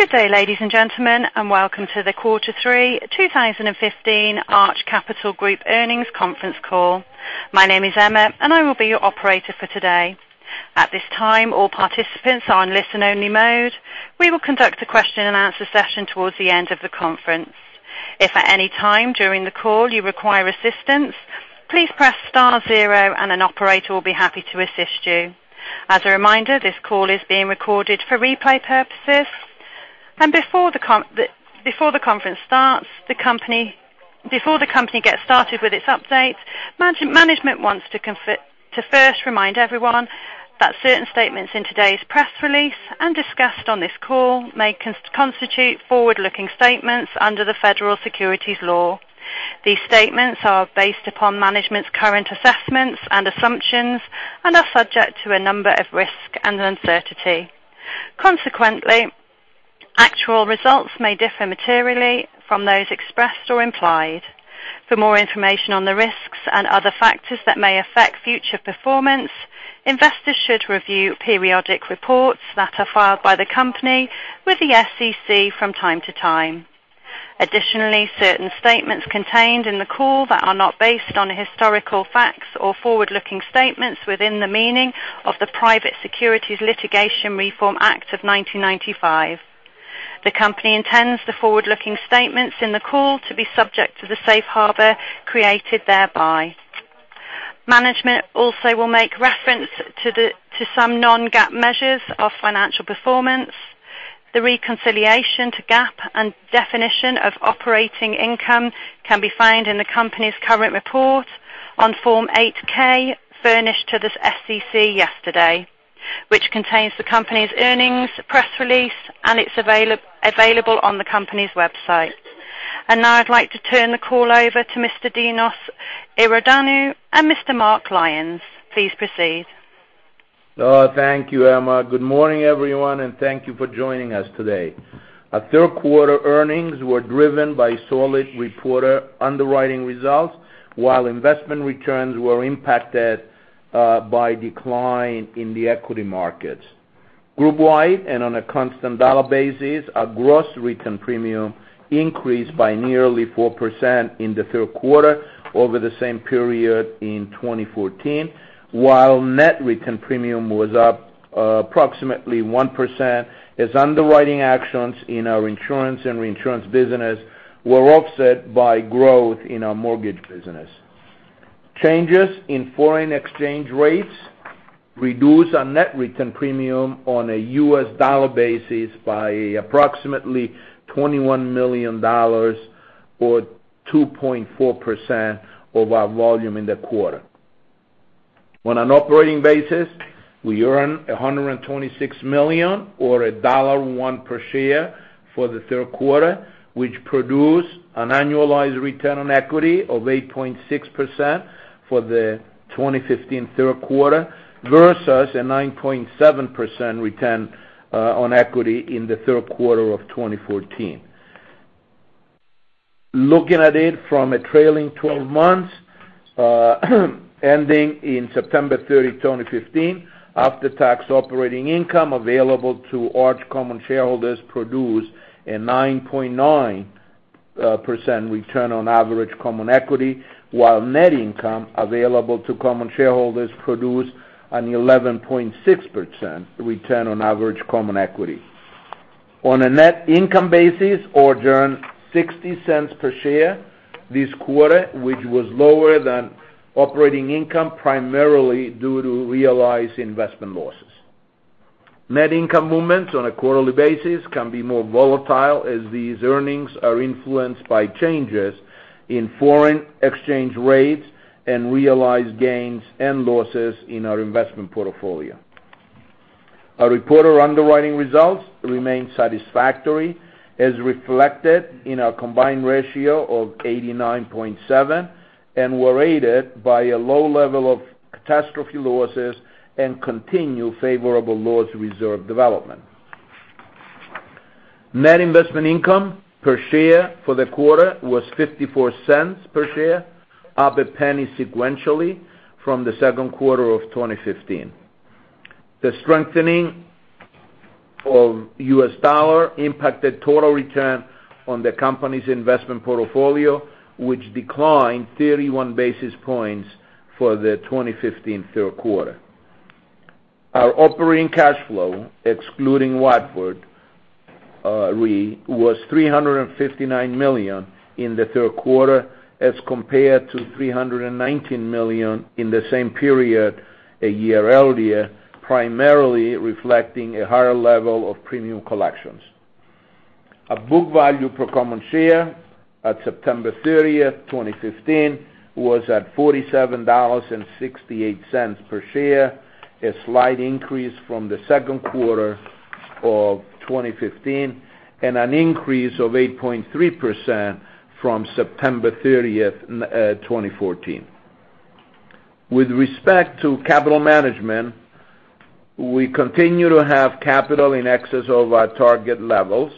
Good day, ladies and gentlemen, and welcome to the Q3 2015 Arch Capital Group Earnings Conference Call. My name is Emma, and I will be your operator for today. At this time, all participants are on listen-only mode. We will conduct a question-and-answer session towards the end of the conference. If at any time during the call you require assistance, please press star zero and an operator will be happy to assist you. As a reminder, this call is being recorded for replay purposes. Before the company gets started with its update, management wants to first remind everyone that certain statements in today's press release and discussed on this call may constitute forward-looking statements under the Federal Securities Law. These statements are based upon management's current assessments and assumptions and are subject to a number of risks and uncertainty. Consequently, actual results may differ materially from those expressed or implied. For more information on the risks and other factors that may affect future performance, investors should review periodic reports that are filed by the company with the SEC from time to time. Additionally, certain statements contained in the call that are not based on historical facts or forward-looking statements within the meaning of the Private Securities Litigation Reform Act of 1995. The company intends the forward-looking statements in the call to be subject to the safe harbor created thereby. Management also will make reference to some non-GAAP measures of financial performance. The reconciliation to GAAP and definition of operating income can be found in the company's current report on Form 8-K furnished to the SEC yesterday, which contains the company's earnings press release and it's available on the company's website. Now I'd like to turn the call over to Mr. Dinos Iordanou and Mr. Mark Lyons. Please proceed. Thank you, Emma. Good morning, everyone, and thank you for joining us today. Our third quarter earnings were driven by solid underwriting results, while investment returns were impacted by decline in the equity markets. Group-wide and on a constant dollar basis, our gross written premium increased by nearly 4% in the third quarter over the same period in 2014, while net written premium was up approximately 1% as underwriting actions in our insurance and reinsurance business were offset by growth in our mortgage business. Changes in foreign exchange rates reduced our net written premium on a U.S. dollar basis by approximately $21 million or 2.4% of our volume in the quarter. On an operating basis, we earn $126 million or $1.01 per share for the third quarter, which produced an annualized return on equity of 8.6% for the 2015 third quarter versus a 9.7% return on equity in the third quarter of 2014. Looking at it from a trailing 12 months ending in September 30, 2015, after-tax operating income available to Arch common shareholders produced a 9.9% return on average common equity, while net income available to common shareholders produced an 11.6% return on average common equity. On a net income basis, we earned $0.60 per share this quarter, which was lower than operating income, primarily due to realized investment losses. Net income movements on a quarterly basis can be more volatile as these earnings are influenced by changes in foreign exchange rates and realized gains and losses in our investment portfolio. Our reported underwriting results remain satisfactory as reflected in our combined ratio of 89.7 and were aided by a low level of catastrophe losses and continued favorable loss reserve development. Net investment income per share for the quarter was $0.54 per share, up $0.01 sequentially from the second quarter of 2015. The strengthening of U.S. dollar impacted total return on the company's investment portfolio, which declined 31 basis points for the 2015 third quarter. Our operating cash flow, excluding Watford Re, was $359 million in the third quarter as compared to $319 million in the same period a year earlier, primarily reflecting a higher level of premium collections. Our book value per common share at September 30, 2015, was at $47.68 per share, a slight increase from the second quarter of 2015 and an increase of 8.3% from September 30, 2014. With respect to capital management, we continue to have capital in excess of our target level.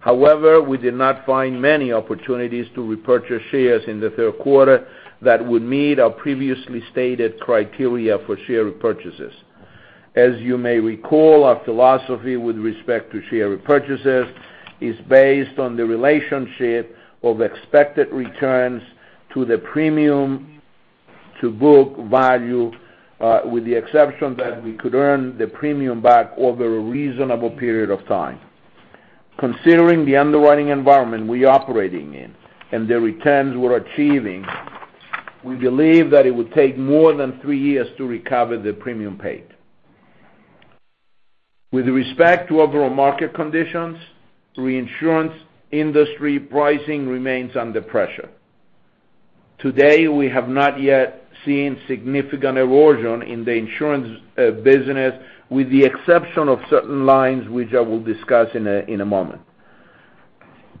However, we did not find many opportunities to repurchase shares in the third quarter that would meet our previously stated criteria for share repurchases. As you may recall, our philosophy with respect to share repurchases is based on the relationship of expected returns to the premium to book value, with the exception that we could earn the premium back over a reasonable period of time. Considering the underwriting environment we're operating in and the returns we're achieving, we believe that it would take more than 3 years to recover the premium paid. With respect to overall market conditions, reinsurance industry pricing remains under pressure. Today, we have not yet seen significant erosion in the insurance business, with the exception of certain lines, which I will discuss in a moment.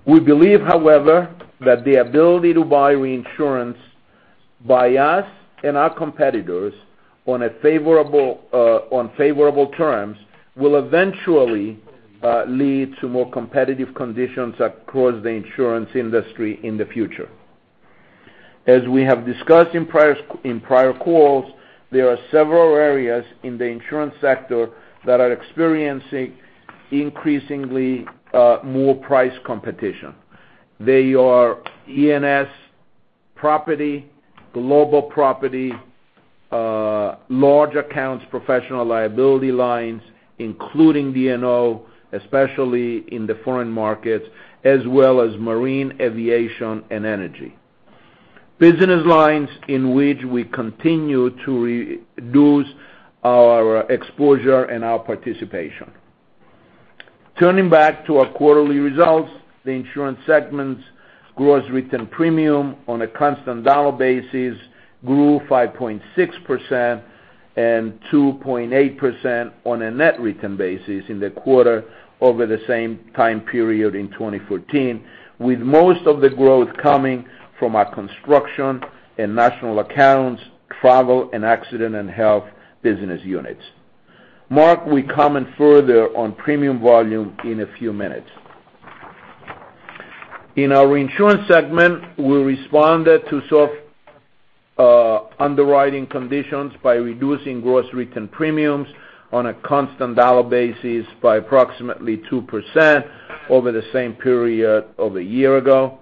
We believe, however, that the ability to buy reinsurance by us and our competitors on favorable terms will eventually lead to more competitive conditions across the insurance industry in the future. As we have discussed in prior calls, there are several areas in the insurance sector that are experiencing increasingly more price competition. They are E&S property, global property, large accounts, professional liability lines, including D&O, especially in the foreign markets, as well as marine, aviation, and energy, business lines in which we continue to reduce our exposure and our participation. Turning back to our quarterly results, the insurance segment's gross written premium on a constant dollar basis grew 5.6% and 2.8% on a net written basis in the quarter over the same time period in 2014, with most of the growth coming from our construction and national accounts, travel, and accident and health business units. Mark will comment further on premium volume in a few minutes. In our reinsurance segment, we responded to soft underwriting conditions by reducing gross written premiums on a constant dollar basis by approximately 2% over the same period of a year ago.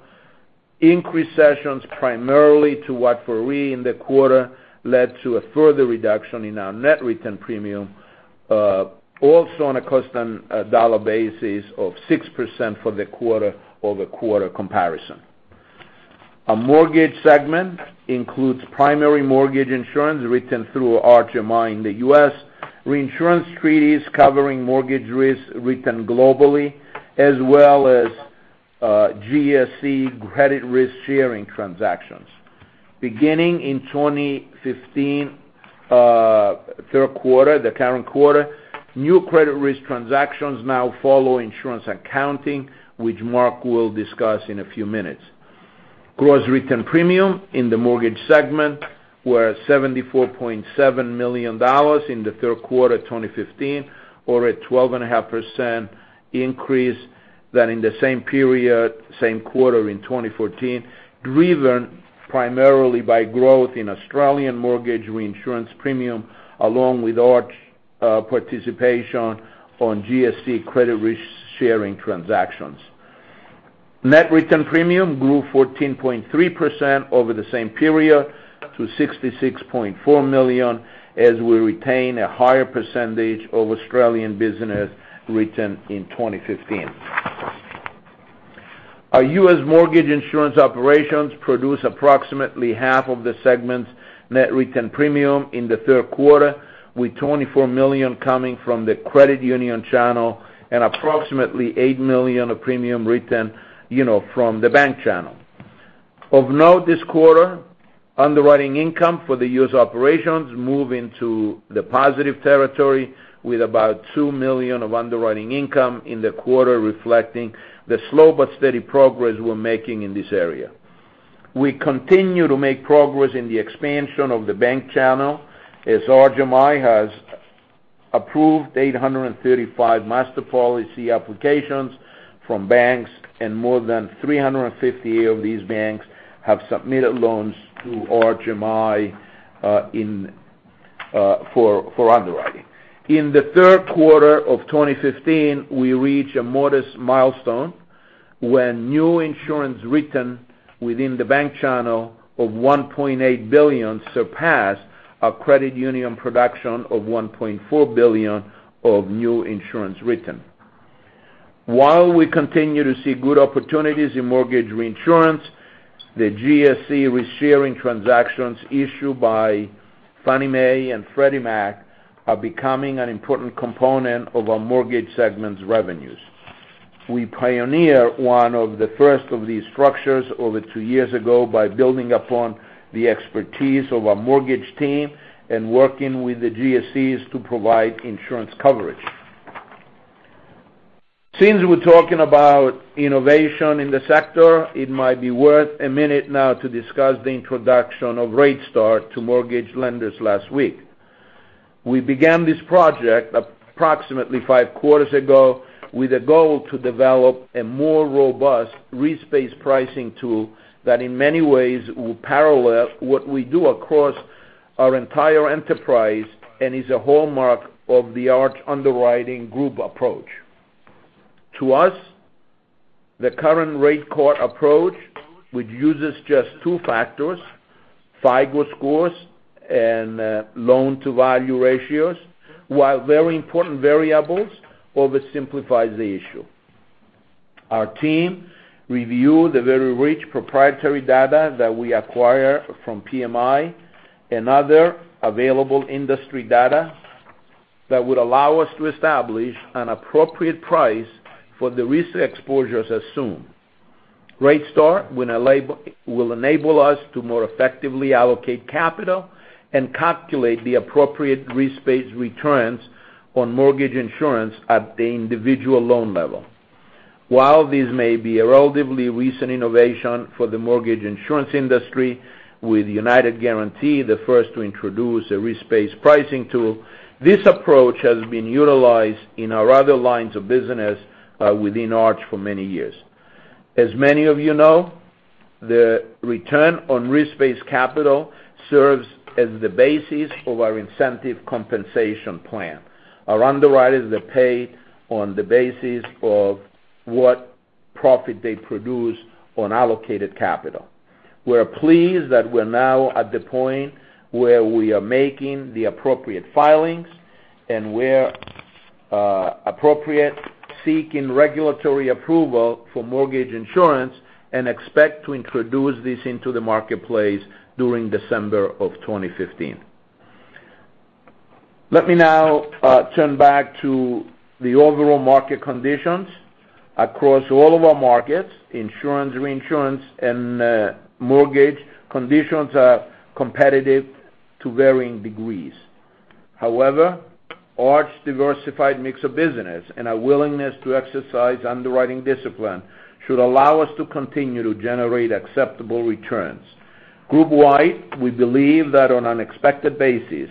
Increased cessions primarily to Watford Re in the quarter led to a further reduction in our net written premium, also on a constant dollar basis of 6% for the quarter-over-quarter comparison. Our mortgage segment includes primary mortgage insurance written through Arch MI in the U.S., reinsurance treaties covering mortgage risk written globally, as well as GSE credit risk sharing transactions. Beginning in 2015, third quarter, the current quarter, new credit risk transactions now follow insurance accounting, which Mark will discuss in a few minutes. Gross written premium in the mortgage segment were $74.7 million in the third quarter 2015, or a 12.5% increase than in the same period, same quarter in 2014, driven primarily by growth in Australian mortgage reinsurance premium, along with Arch participation on GSE credit risk sharing transactions. Net written premium grew 14.3% over the same period to $66.4 million, as we retain a higher percentage of Australian business written in 2015. Our U.S. mortgage insurance operations produce approximately half of the segment's net written premium in the third quarter, with $24 million coming from the credit union channel and approximately $8 million of premium written from the bank channel. Of note this quarter, underwriting income for the U.S. operations move into the positive territory with about $2 million of underwriting income in the quarter, reflecting the slow but steady progress we're making in this area. We continue to make progress in the expansion of the bank channel, as Arch MI has approved 835 master policy applications from banks, and more than 350 of these banks have submitted loans to Arch MI for underwriting. In the third quarter of 2015, we reached a modest milestone when new insurance written within the bank channel of $1.8 billion surpassed our credit union production of $1.4 billion of new insurance written. While we continue to see good opportunities in mortgage reinsurance, the GSE risk sharing transactions issued by Fannie Mae and Freddie Mac are becoming an important component of our mortgage segment's revenues. We pioneered one of the first of these structures over two years ago by building upon the expertise of our mortgage team and working with the GSEs to provide insurance coverage. Since we're talking about innovation in the sector, it might be worth a minute now to discuss the introduction of RateStar to mortgage lenders last week. We began this project approximately five quarters ago with a goal to develop a more robust risk-based pricing tool that in many ways will parallel what we do across our entire enterprise and is a hallmark of the Arch underwriting group approach. To us, the current rate card approach, which uses just two factors, FICO scores and loan-to-value ratios, while very important variables, oversimplifies the issue. Our team reviewed the very rich proprietary data that we acquire from PMI and other available industry data that would allow us to establish an appropriate price for the recent exposures assumed. RateStar will enable us to more effectively allocate capital and calculate the appropriate risk-based returns on mortgage insurance at the individual loan level. While this may be a relatively recent innovation for the mortgage insurance industry, with United Guaranty the first to introduce a risk-based pricing tool, this approach has been utilized in our other lines of business within Arch for many years. As many of you know, the return on risk-based capital serves as the basis of our incentive compensation plan. Our underwriters are paid on the basis of what profit they produce on allocated capital. We are pleased that we are now at the point where we are making the appropriate filings and where appropriate, seeking regulatory approval for mortgage insurance and expect to introduce this into the marketplace during December of 2015. Let me now turn back to the overall market conditions. Across all of our markets, insurance, reinsurance, and mortgage conditions are competitive to varying degrees. Arch's diversified mix of business and our willingness to exercise underwriting discipline should allow us to continue to generate acceptable returns. Group-wide, we believe that on an expected basis,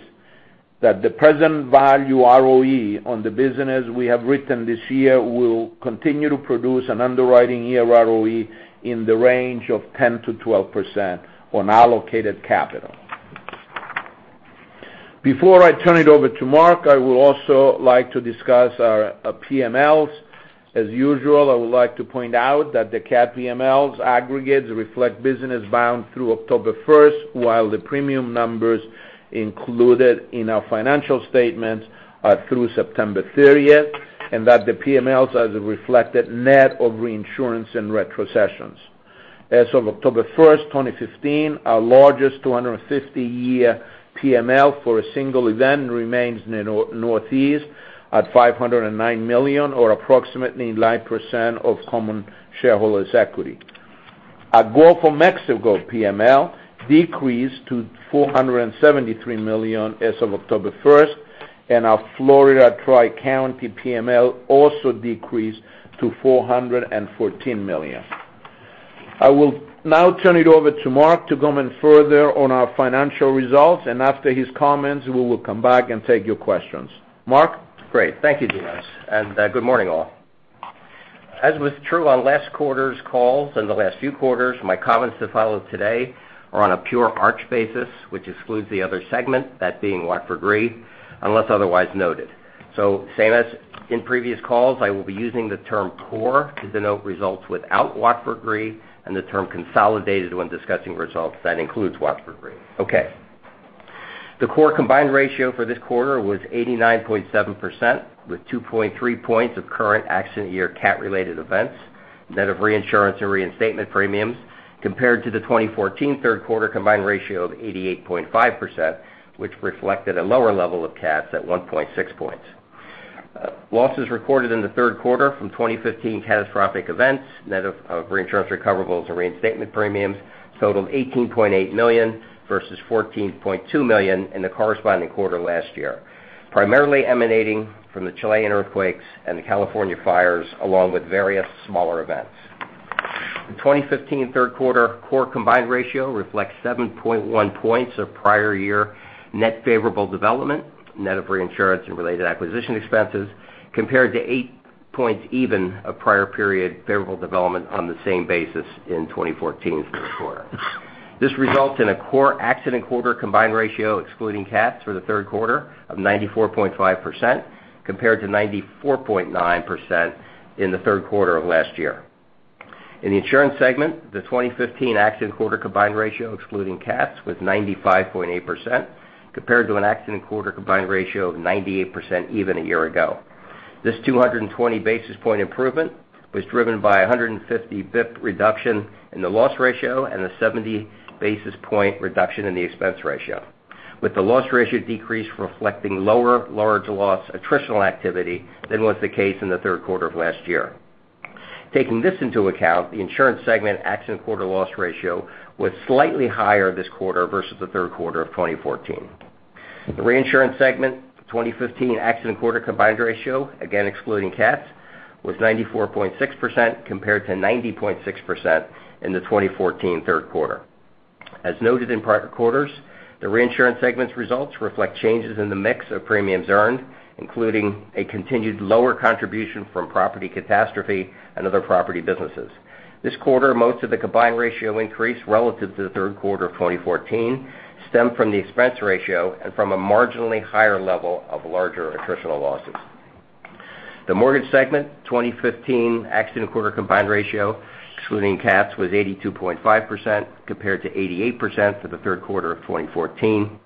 that the present value ROE on the business we have written this year will continue to produce an underwriting year ROE in the range of 10%-12% on allocated capital. Before I turn it over to Mark, I would also like to discuss our PMLs. As usual, I would like to point out that the cat PMLs aggregates reflect business bound through October 1st, while the premium numbers included in our financial statements are through September 30th, and that the PMLs as reflected net of reinsurance and retrocessions. As of October 1st, 2015, our largest 250-year PML for a single event remains in the Northeast at $509 million, or approximately 9% of common shareholders' equity. Our Gulf of Mexico PML decreased to $473 million as of October 1st. Our Florida Tri-County PML also decreased to $414 million. I will now turn it over to Mark to comment further on our financial results, and after his comments, we will come back and take your questions. Mark? Great. Thank you, Dinos. Good morning, all. As was true on last quarter's calls and the last few quarters, my comments to follow today are on a pure Arch basis, which excludes the Other segment, that being Watford Re, unless otherwise noted. Same as in previous calls, I will be using the term core to denote results without Watford Re, and the term consolidated when discussing results that includes Watford Re. Okay. The core combined ratio for this quarter was 89.7%, with 2.3 points of current accident year cat-related events, net of reinsurance and reinstatement premiums, compared to the 2014 third quarter combined ratio of 88.5%, which reflected a lower level of cats at 1.6 points. Losses recorded in the third quarter from 2015 catastrophic events, net of reinsurance recoverables and reinstatement premiums, totaled $18.8 million versus $14.2 million in the corresponding quarter last year, primarily emanating from the Chilean earthquakes and the California fires, along with various smaller events. The 2015 third quarter core combined ratio reflects 7.1 points of prior year net favorable development, net of reinsurance and related acquisition expenses, compared to eight points even of prior period favorable development on the same basis in 2014's third quarter. This results in a core accident quarter combined ratio excluding cats for the third quarter of 94.5%, compared to 94.9% in the third quarter of last year. In the insurance segment, the 2015 accident quarter combined ratio excluding cats was 95.8%, compared to an accident quarter combined ratio of 98% even a year ago. This 220 basis point improvement was driven by 150 basis point reduction in the loss ratio and a 70 basis point reduction in the expense ratio, with the loss ratio decrease reflecting lower large loss attritional activity than was the case in the third quarter of last year. Taking this into account, the insurance segment accident quarter loss ratio was slightly higher this quarter versus the third quarter of 2014. The reinsurance segment 2015 accident quarter combined ratio, again excluding cats, was 94.6% compared to 90.6% in the 2014 third quarter. As noted in prior quarters, the reinsurance segment's results reflect changes in the mix of premiums earned, including a continued lower contribution from property catastrophe and other property businesses. This quarter, most of the combined ratio increase relative to the third quarter of 2014 stemmed from the expense ratio and from a marginally higher level of larger attritional losses. The mortgage segment 2015 accident quarter combined ratio, excluding cats, was 82.5% compared to 88% for the third quarter of 2014.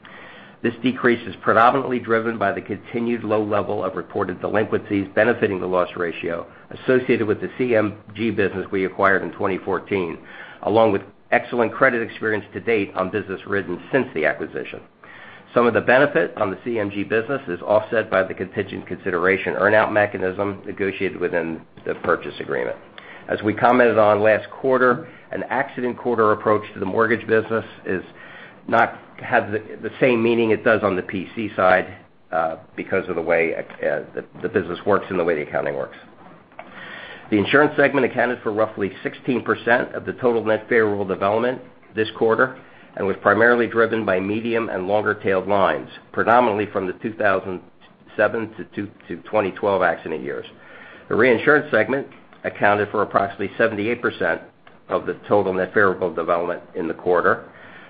This decrease is predominantly driven by the continued low level of reported delinquencies benefiting the loss ratio associated with the CMG business we acquired in 2014, along with excellent credit experience to date on business written since the acquisition. Some of the benefit on the CMG business is offset by the contingent consideration earn-out mechanism negotiated within the purchase agreement. As we commented on last quarter, an accident quarter approach to the mortgage business is not have the same meaning it does on the PC side because of the way the business works and the way the accounting works. The insurance segment accounted for roughly 16% of the total net favorable development this quarter and was primarily driven by medium and longer-tailed lines, predominantly from the 2007-2012 accident years. The reinsurance segment accounted for approximately 78% of the total net favorable development in the quarter,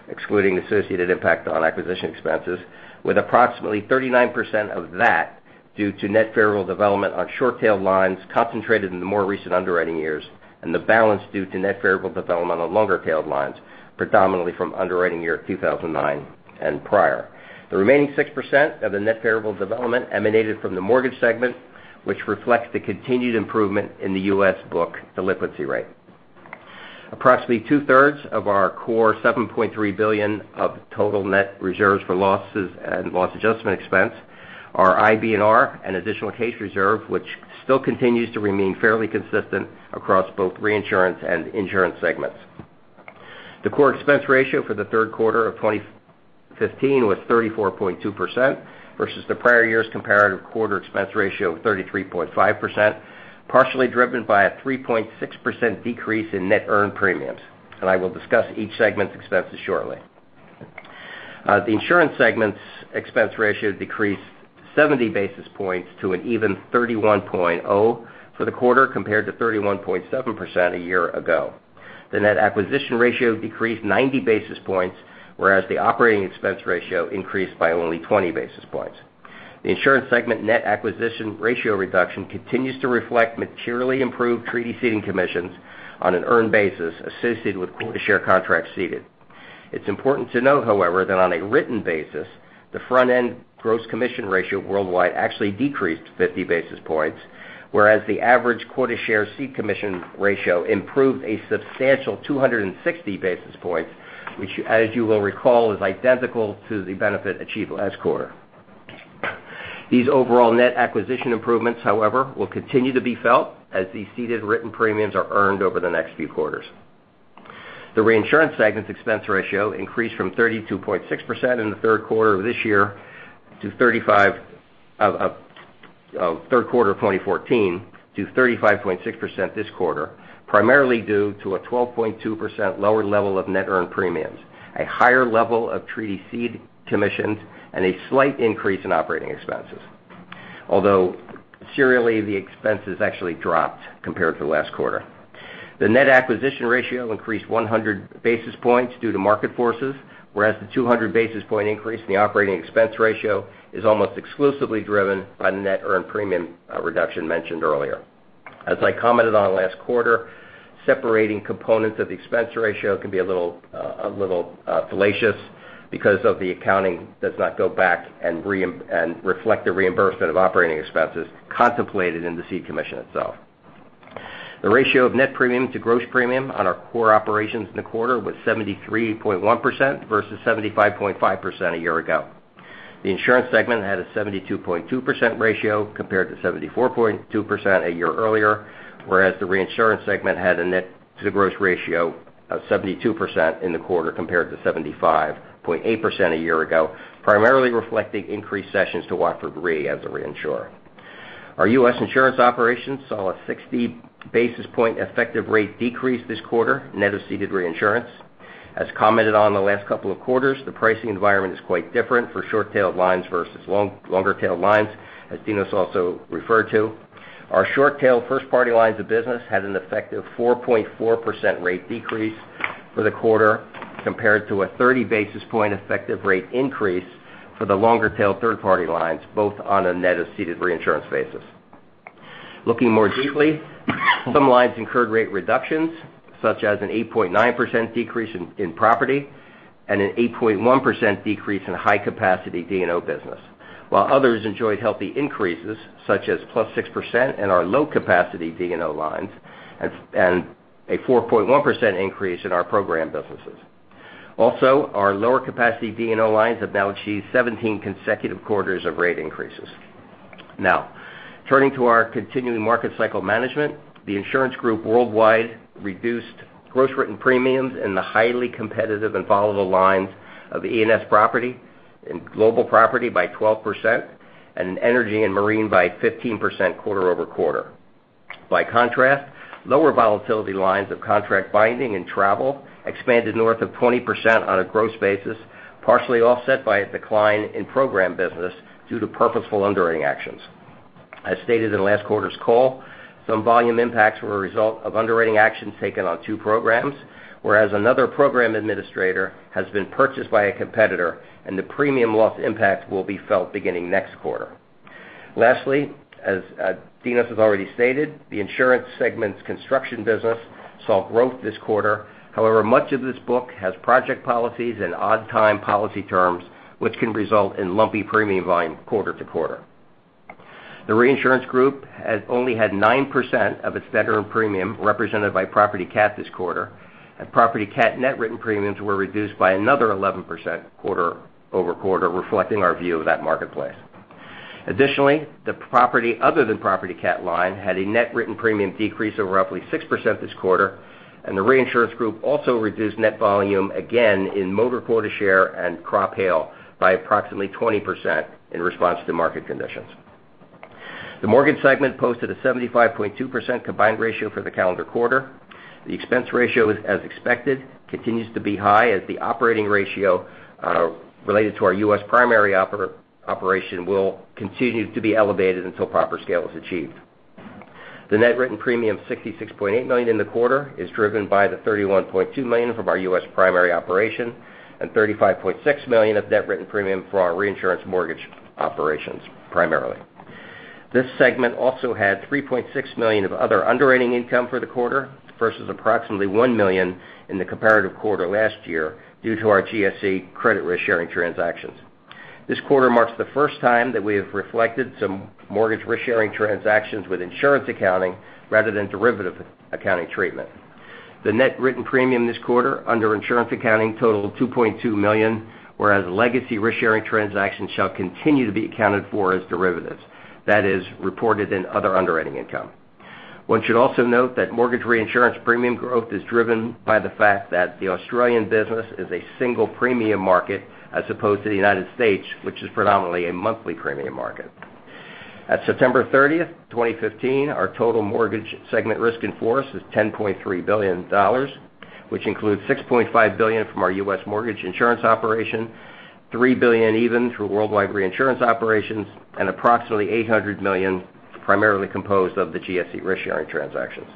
excluding associated impact on acquisition expenses, with approximately 39% of that due to net favorable development on short-tail lines concentrated in the more recent underwriting years, and the balance due to net favorable development on longer tailed lines, predominantly from underwriting year 2009 and prior. The remaining 6% of the net favorable development emanated from the mortgage segment, which reflects the continued improvement in the U.S. book delinquency rate. Approximately two-thirds of our core $7.3 billion of total net reserves for losses and loss adjustment expense are IBNR and additional case reserve, which still continues to remain fairly consistent across both reinsurance and insurance segments. The core expense ratio for the third quarter of 2015 was 34.2% versus the prior year's comparative quarter expense ratio of 33.5%, partially driven by a 3.6% decrease in net earned premiums. I will discuss each segment's expenses shortly. The insurance segment's expense ratio decreased 70 basis points to an even 31.0% for the quarter compared to 31.7% a year ago. The net acquisition ratio decreased 90 basis points, whereas the operating expense ratio increased by only 20 basis points. The insurance segment net acquisition ratio reduction continues to reflect materially improved treaty ceding commissions on an earned basis associated with quota share contracts ceded. It's important to note, however, that on a written basis, the front-end gross commission ratio worldwide actually decreased 50 basis points, whereas the average quota share cede commission ratio improved a substantial 260 basis points, which as you will recall, is identical to the benefit achieved last quarter. These overall net acquisition improvements, however, will continue to be felt as these ceded written premiums are earned over the next few quarters. The reinsurance segment's expense ratio increased from 32.6% in the third quarter of 2014 to 35.6% this quarter, primarily due to a 12.2% lower level of net earned premiums, a higher level of treaty cede commissions, and a slight increase in operating expenses. Although serially, the expenses actually dropped compared to last quarter. The net acquisition ratio increased 100 basis points due to market forces, whereas the 200 basis point increase in the operating expense ratio is almost exclusively driven by the net earned premium reduction mentioned earlier. I commented on last quarter, separating components of the expense ratio can be a little fallacious because of the accounting does not go back and reflect the reimbursement of operating expenses contemplated in the cede commission itself. The ratio of net premium to gross premium on our core operations in the quarter was 73.1% versus 75.5% a year ago. The insurance segment had a 72.2% ratio compared to 74.2% a year earlier, whereas the reinsurance segment had a net-to-gross ratio of 72% in the quarter compared to 75.8% a year ago, primarily reflecting increased sessions to Watford Re as a reinsurer. Our U.S. insurance operations saw a 60 basis point effective rate decrease this quarter net of ceded reinsurance. As commented on the last couple of quarters, the pricing environment is quite different for short-tailed lines versus longer-tailed lines, as Dinos also referred to. Our short-tailed first-party lines of business had an effective 4.4% rate decrease for the quarter compared to a 30 basis point effective rate increase for the longer tail third party lines, both on a net of ceded reinsurance basis. Looking more deeply, some lines incurred rate reductions, such as an 8.9% decrease in property and an 8.1% decrease in high capacity D&O business. While others enjoyed healthy increases, such as +6% in our low capacity D&O lines and a 4.1% increase in our program businesses. Also, our lower capacity D&O lines have now achieved 17 consecutive quarters of rate increases. Turning to our continuing market cycle management, the insurance group worldwide reduced gross written premiums in the highly competitive and volatile lines of E&S property and global property by 12%, and in energy and marine by 15% quarter-over-quarter. By contrast, lower volatility lines of contract binding and travel expanded north of 20% on a gross basis, partially offset by a decline in program business due to purposeful underwriting actions. As stated in last quarter's call, some volume impacts were a result of underwriting actions taken on two programs, whereas another program administrator has been purchased by a competitor, and the premium loss impact will be felt beginning next quarter. Lastly, as Dinos has already stated, the insurance segment's construction business saw growth this quarter. However, much of this book has project policies and odd time policy terms, which can result in lumpy premium volume quarter-to-quarter. The reinsurance group has only had 9% of its net earned premium represented by property cat this quarter, and property cat net written premiums were reduced by another 11% quarter-over-quarter, reflecting our view of that marketplace. Additionally, the property other than property cat line had a net written premium decrease of roughly 6% this quarter, and the reinsurance group also reduced net volume again in motor quota share and crop hail by approximately 20% in response to market conditions. The mortgage segment posted a 75.2% combined ratio for the calendar quarter. The expense ratio, as expected, continues to be high, as the operating ratio related to our U.S. primary operation will continue to be elevated until proper scale is achieved. The net written premium, $66.8 million in the quarter, is driven by the $31.2 million from our U.S. primary operation and $35.6 million of net written premium for our reinsurance mortgage operations, primarily. This segment also had $3.6 million of other underwriting income for the quarter versus approximately $1 million in the comparative quarter last year due to our GSE credit risk sharing transactions. This quarter marks the first time that we have reflected some mortgage risk-sharing transactions with insurance accounting rather than derivative accounting treatment. The net written premium this quarter under insurance accounting totaled $2.2 million, whereas legacy risk-sharing transactions shall continue to be accounted for as derivatives. That is reported in other underwriting income. One should also note that mortgage reinsurance premium growth is driven by the fact that the Australian business is a single premium market as opposed to the United States, which is predominantly a monthly premium market. At September 30, 2015, our total mortgage segment risk in force is $10.3 billion, which includes $6.5 billion from our U.S. mortgage insurance operation, $3 billion even through worldwide reinsurance operations, and approximately $800 million primarily composed of the GSE risk-sharing transactions.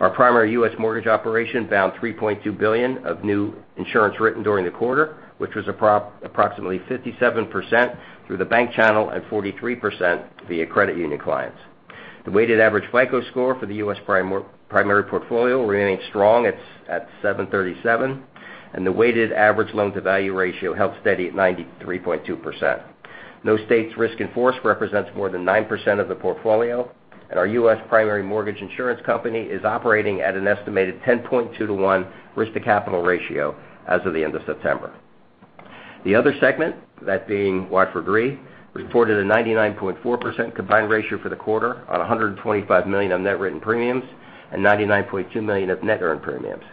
Our primary U.S. mortgage operation found $3.2 billion of new insurance written during the quarter, which was approximately 57% through the bank channel and 43% via credit union clients. The weighted average FICO score for the U.S. primary portfolio remains strong at 737, and the weighted average loan-to-value ratio held steady at 93.2%. No state's risk in force represents more than 9% of the portfolio, and our U.S. primary mortgage insurance company is operating at an estimated 10.2 to 1 risk to capital ratio as of the end of September. The other segment, that being Watford Re, reported a 99.4% combined ratio for the quarter on $125 million of net written premiums and $99.2 million of net earned premiums.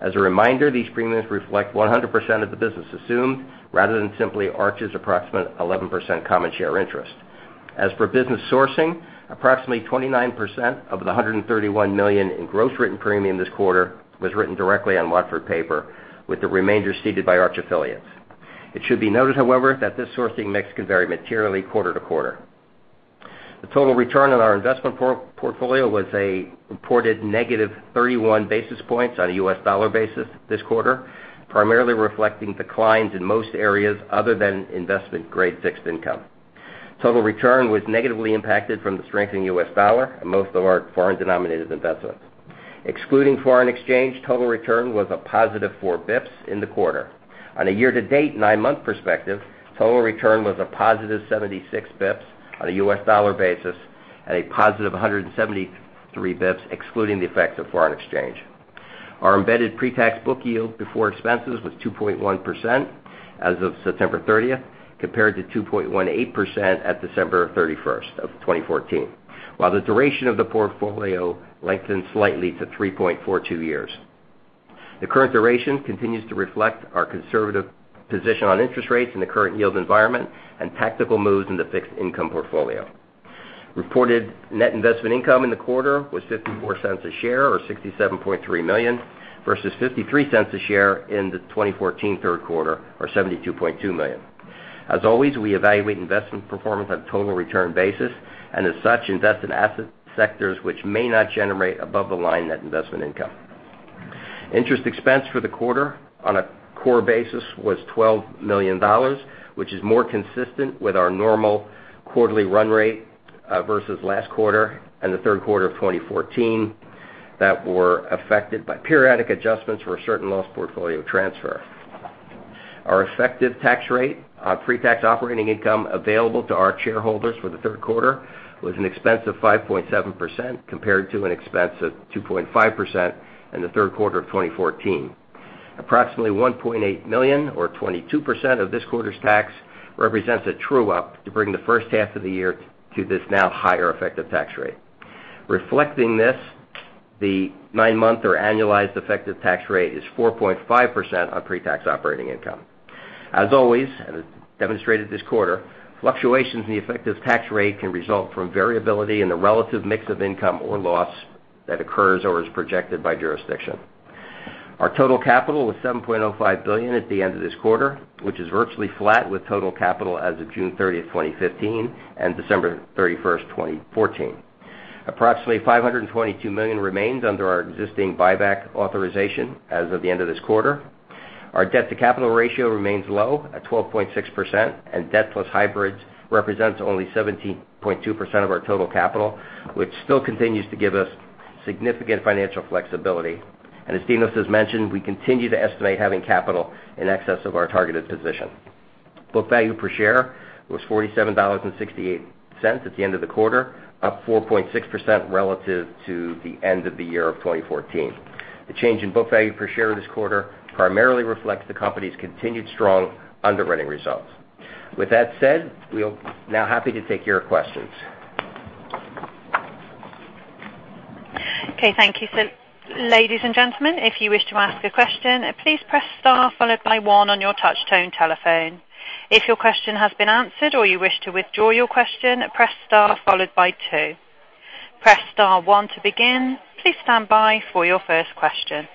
As a reminder, these premiums reflect 100% of the business assumed rather than simply Arch's approximate 11% common share interest. As for business sourcing, approximately 29% of the $131 million in gross written premium this quarter was written directly on Watford paper, with the remainder ceded by Arch affiliates. It should be noted, however, that this sourcing mix can vary materially quarter-to-quarter. The total return on our investment portfolio was a reported negative 31 basis points on a U.S. dollar basis this quarter, primarily reflecting declines in most areas other than investment-grade fixed income. Total return was negatively impacted from the strengthening U.S. dollar and most of our foreign-denominated investments. Excluding foreign exchange, total return was a positive 4 basis points in the quarter. On a year-to-date nine-month perspective, total return was a positive 76 basis points on a U.S. dollar basis and a positive 173 basis points excluding the effect of foreign exchange. Our embedded pre-tax book yield before expenses was 2.1% as of September 30, compared to 2.18% at December 31, 2014. While the duration of the portfolio lengthened slightly to 3.42 years. The current duration continues to reflect our conservative position on interest rates in the current yield environment and tactical moves in the fixed income portfolio. Reported net investment income in the quarter was $0.54 a share, or $67.3 million, versus $0.53 a share in the 2014 third quarter, or $72.2 million. As always, we evaluate investment performance on a total return basis, and as such, invest in asset sectors which may not generate above the line net investment income. Interest expense for the quarter on a core basis was $12 million, which is more consistent with our normal quarterly run rate versus last quarter and the third quarter of 2014 that were affected by periodic adjustments for a certain loss portfolio transfer. Our effective tax rate on pre-tax operating income available to our shareholders for the third quarter was an expense of 5.7%, compared to an expense of 2.5% in the third quarter of 2014. Approximately $1.8 million or 22% of this quarter's tax represents a true up to bring the first half of the year to this now higher effective tax rate. Reflecting this, the nine-month or annualized effective tax rate is 4.5% on pre-tax operating income. As always, and as demonstrated this quarter, fluctuations in the effective tax rate can result from variability in the relative mix of income or loss that occurs or is projected by jurisdiction. Our total capital was $7.05 billion at the end of this quarter, which is virtually flat with total capital as of June 30, 2015, and December 31, 2014. Approximately $522 million remains under our existing buyback authorization as of the end of this quarter. Our debt-to-capital ratio remains low at 12.6%, and debt plus hybrids represents only 17.2% of our total capital, which still continues to give us significant financial flexibility. As Dinos has mentioned, we continue to estimate having capital in excess of our targeted position. Book value per share was $47.68 at the end of the quarter, up 4.6% relative to the end of the year of 2014. The change in book value per share this quarter primarily reflects the company's continued strong underwriting results. With that said, we are now happy to take your questions. Okay, thank you. Ladies and gentlemen, if you wish to ask a question, please press star followed by one on your touch tone telephone. If your question has been answered or you wish to withdraw your question, press star followed by two. Press star one to begin. Please stand by for your first question.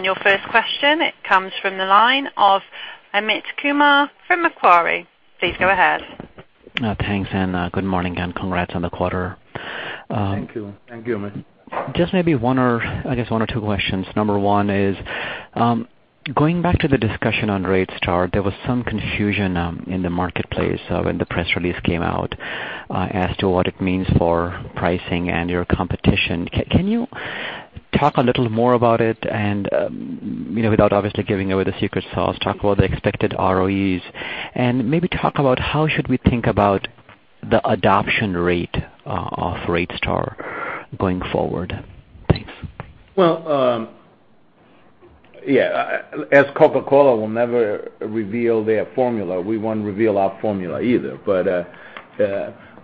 Your first question comes from the line of Amit Kumar from Macquarie. Please go ahead. Thanks, and good morning, and congrats on the quarter. Thank you. Thank you, Amit. Just maybe one or two questions. Number one is going back to the discussion on RateStar. There was some confusion in the marketplace when the press release came out as to what it means for pricing and your competition. Can you talk a little more about it and without obviously giving away the secret sauce, talk about the expected ROEs, and maybe talk about how should we think about the adoption rate of RateStar going forward. Thanks. Well, as Coca-Cola will never reveal their formula, we won't reveal our formula either.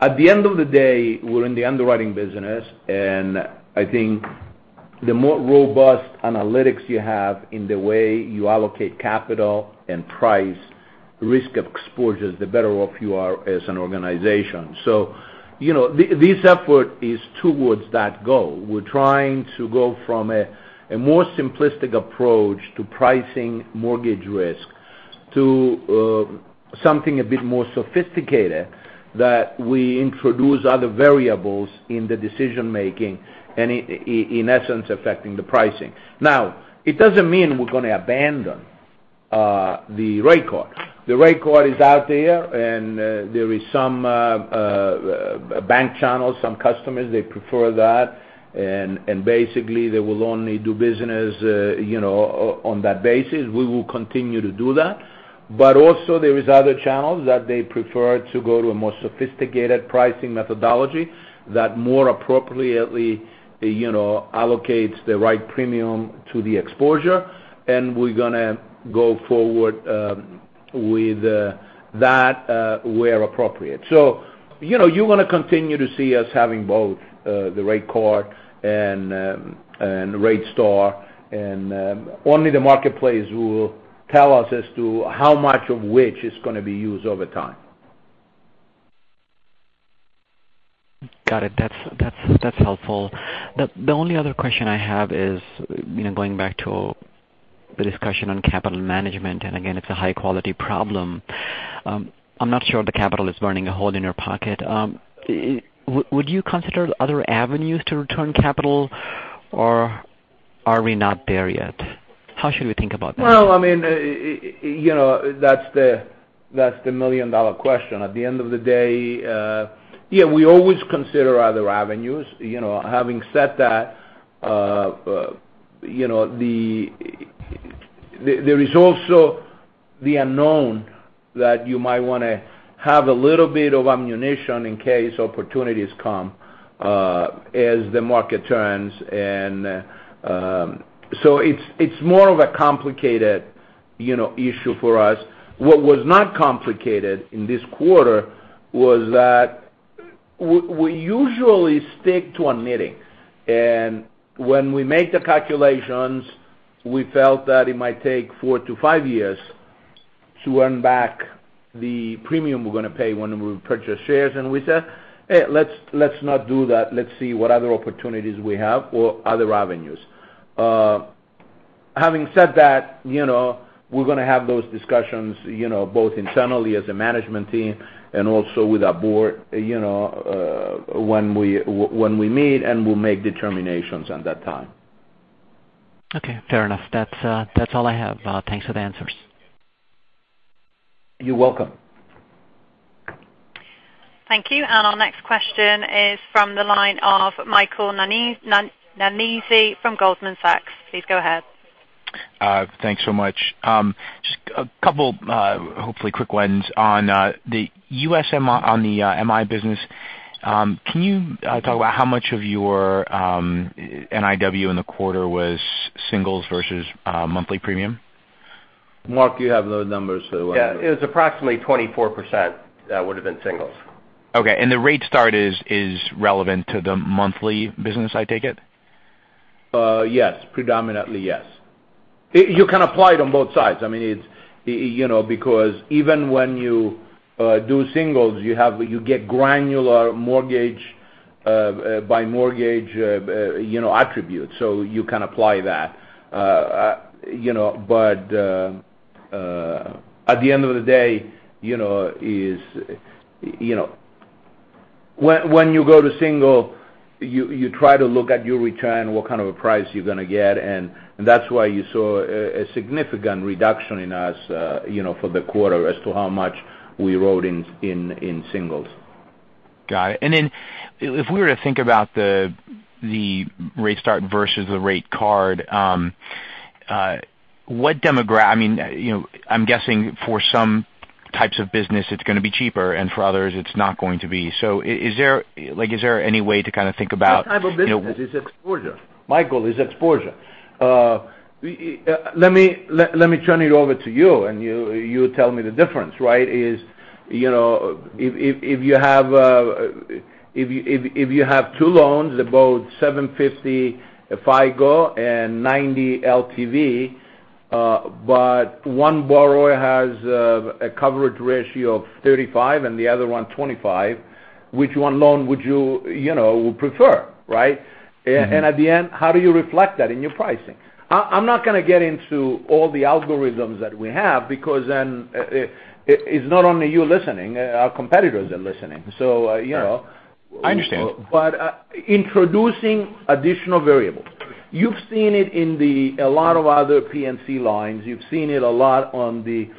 At the end of the day, we're in the underwriting business, and I think the more robust analytics you have in the way you allocate capital and price risk exposures, the better off you are as an organization. This effort is towards that goal. We're trying to go from a more simplistic approach to pricing mortgage risk to something a bit more sophisticated that we introduce other variables in the decision-making and in essence, affecting the pricing. Now, it doesn't mean we're going to abandon the rate card. The rate card is out there, and there is some bank channels, some customers, they prefer that, and basically they will only do business on that basis. We will continue to do that. Also there is other channels that they prefer to go to a more sophisticated pricing methodology that more appropriately allocates the right premium to the exposure, and we're going to go forward with that where appropriate. You're going to continue to see us having both the rate card and RateStar, and only the marketplace will tell us as to how much of which is going to be used over time. Got it. That's helpful. The only other question I have is going back to the discussion on capital management, and again, it's a high-quality problem. I'm not sure the capital is burning a hole in your pocket. Would you consider other avenues to return capital or are we not there yet? How should we think about that? Well, that's the million-dollar question. At the end of the day, yeah, we always consider other avenues. Having said that, there is also the unknown that you might want to have a little bit of ammunition in case opportunities come as the market turns. So it's more of a complicated issue for us. What was not complicated in this quarter was that we usually stick to a meeting, and when we make the calculations, we felt that it might take four to five years to earn back the premium we're going to pay when we purchase shares, and we said, "Let's not do that. Let's see what other opportunities we have or other avenues." Having said that, we're going to have those discussions both internally as a management team and also with our board when we meet, and we'll make determinations at that time. Okay, fair enough. That's all I have. Thanks for the answers. You're welcome. Thank you. Our next question is from the line of Michael Nannizzi from Goldman Sachs. Please go ahead. Thanks so much. Just a couple hopefully quick ones on the U.S. MI on the MI business. Can you talk about how much of your NIW in the quarter was singles versus monthly premium? Mark, you have those numbers, so why don't you. Yeah, it was approximately 24%, that would've been singles. Okay. The RateStar is relevant to the monthly business, I take it? Yes. Predominantly, yes. You can apply it on both sides. Even when you do singles, you get granular mortgage by mortgage attributes. You can apply that. At the end of the day, when you go to single, you try to look at your return, what kind of a price you are going to get, and that is why you saw a significant reduction in us for the quarter as to how much we wrote in singles. Got it. Then if we were to think about the RateStar versus the rate card, I am guessing for some types of business, it is going to be cheaper, and for others, it is not going to be. Is there any way to kind of think about? What type of business is exposure? Michael, is exposure. Let me turn it over to you, and you tell me the difference, right? If you have two loans, about 750 FICO and 90 LTV, but one borrower has a coverage ratio of 35 and the other one 25, which one loan would you prefer, right? At the end, how do you reflect that in your pricing? I am not going to get into all the algorithms that we have because then it is not only you listening, our competitors are listening. Right. I understand Introducing additional variables. You've seen it in a lot of other P&C lines. You've seen it a lot on the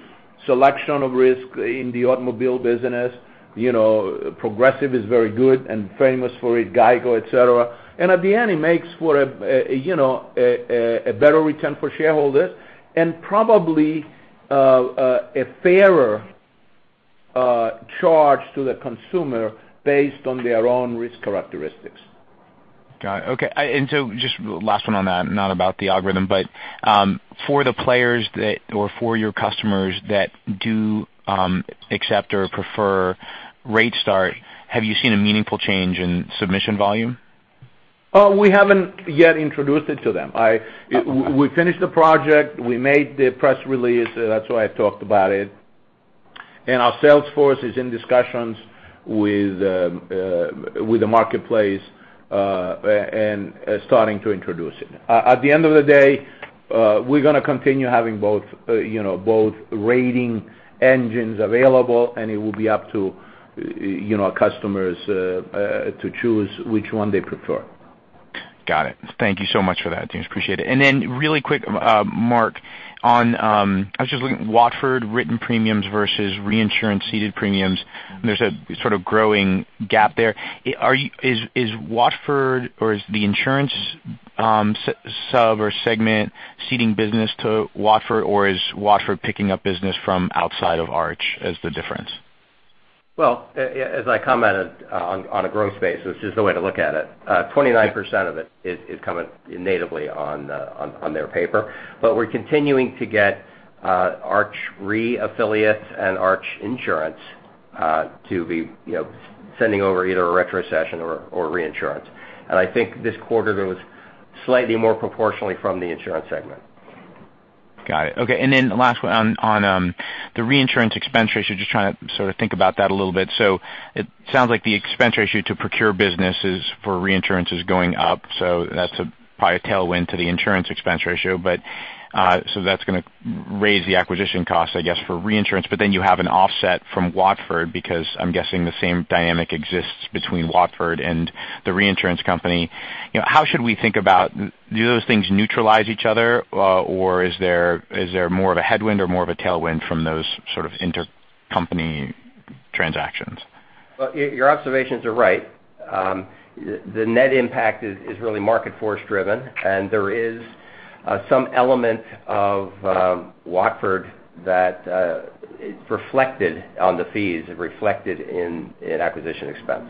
selection of risk in the automobile business. Progressive is very good and famous for it, GEICO, et cetera. At the end, it makes for a better return for shareholders and probably a fairer charge to the consumer based on their own risk characteristics. Got it. Okay. Just last one on that, not about the algorithm, but for the players or for your customers that do accept or prefer RateStar, have you seen a meaningful change in submission volume? We haven't yet introduced it to them. We finished the project. We made the press release. That's why I've talked about it. Our sales force is in discussions with the marketplace and starting to introduce it. At the end of the day, we're going to continue having both rating engines available, and it will be up to our customers to choose which one they prefer. Got it. Thank you so much for that, James. Appreciate it. Really quick, Mark, I was just looking at Watford written premiums versus reinsurance ceded premiums, and there's a sort of growing gap there. Is Watford or is the insurance sub or segment ceding business to Watford, or is Watford picking up business from outside of Arch as the difference? Well, as I commented on a growth space, which is the way to look at it, 29% of it is coming natively on their paper. We're continuing to get Arch Re affiliates and Arch Insurance to be sending over either a retrocoession or reinsurance. I think this quarter goes slightly more proportionally from the insurance segment. Got it. Last one on the reinsurance expense ratio, just trying to sort of think about that a little bit. It sounds like the expense ratio to procure business for reinsurance is going up. That's probably a tailwind to the insurance expense ratio. That's going to raise the acquisition cost I guess, for reinsurance. You have an offset from Watford because I'm guessing the same dynamic exists between Watford and the reinsurance company. How should we think about, do those things neutralize each other, or is there more of a headwind or more of a tailwind from those sort of intercompany transactions? Well, your observations are right. The net impact is really market force driven, and there is some element of Watford that is reflected on the fees, reflected in acquisition expense.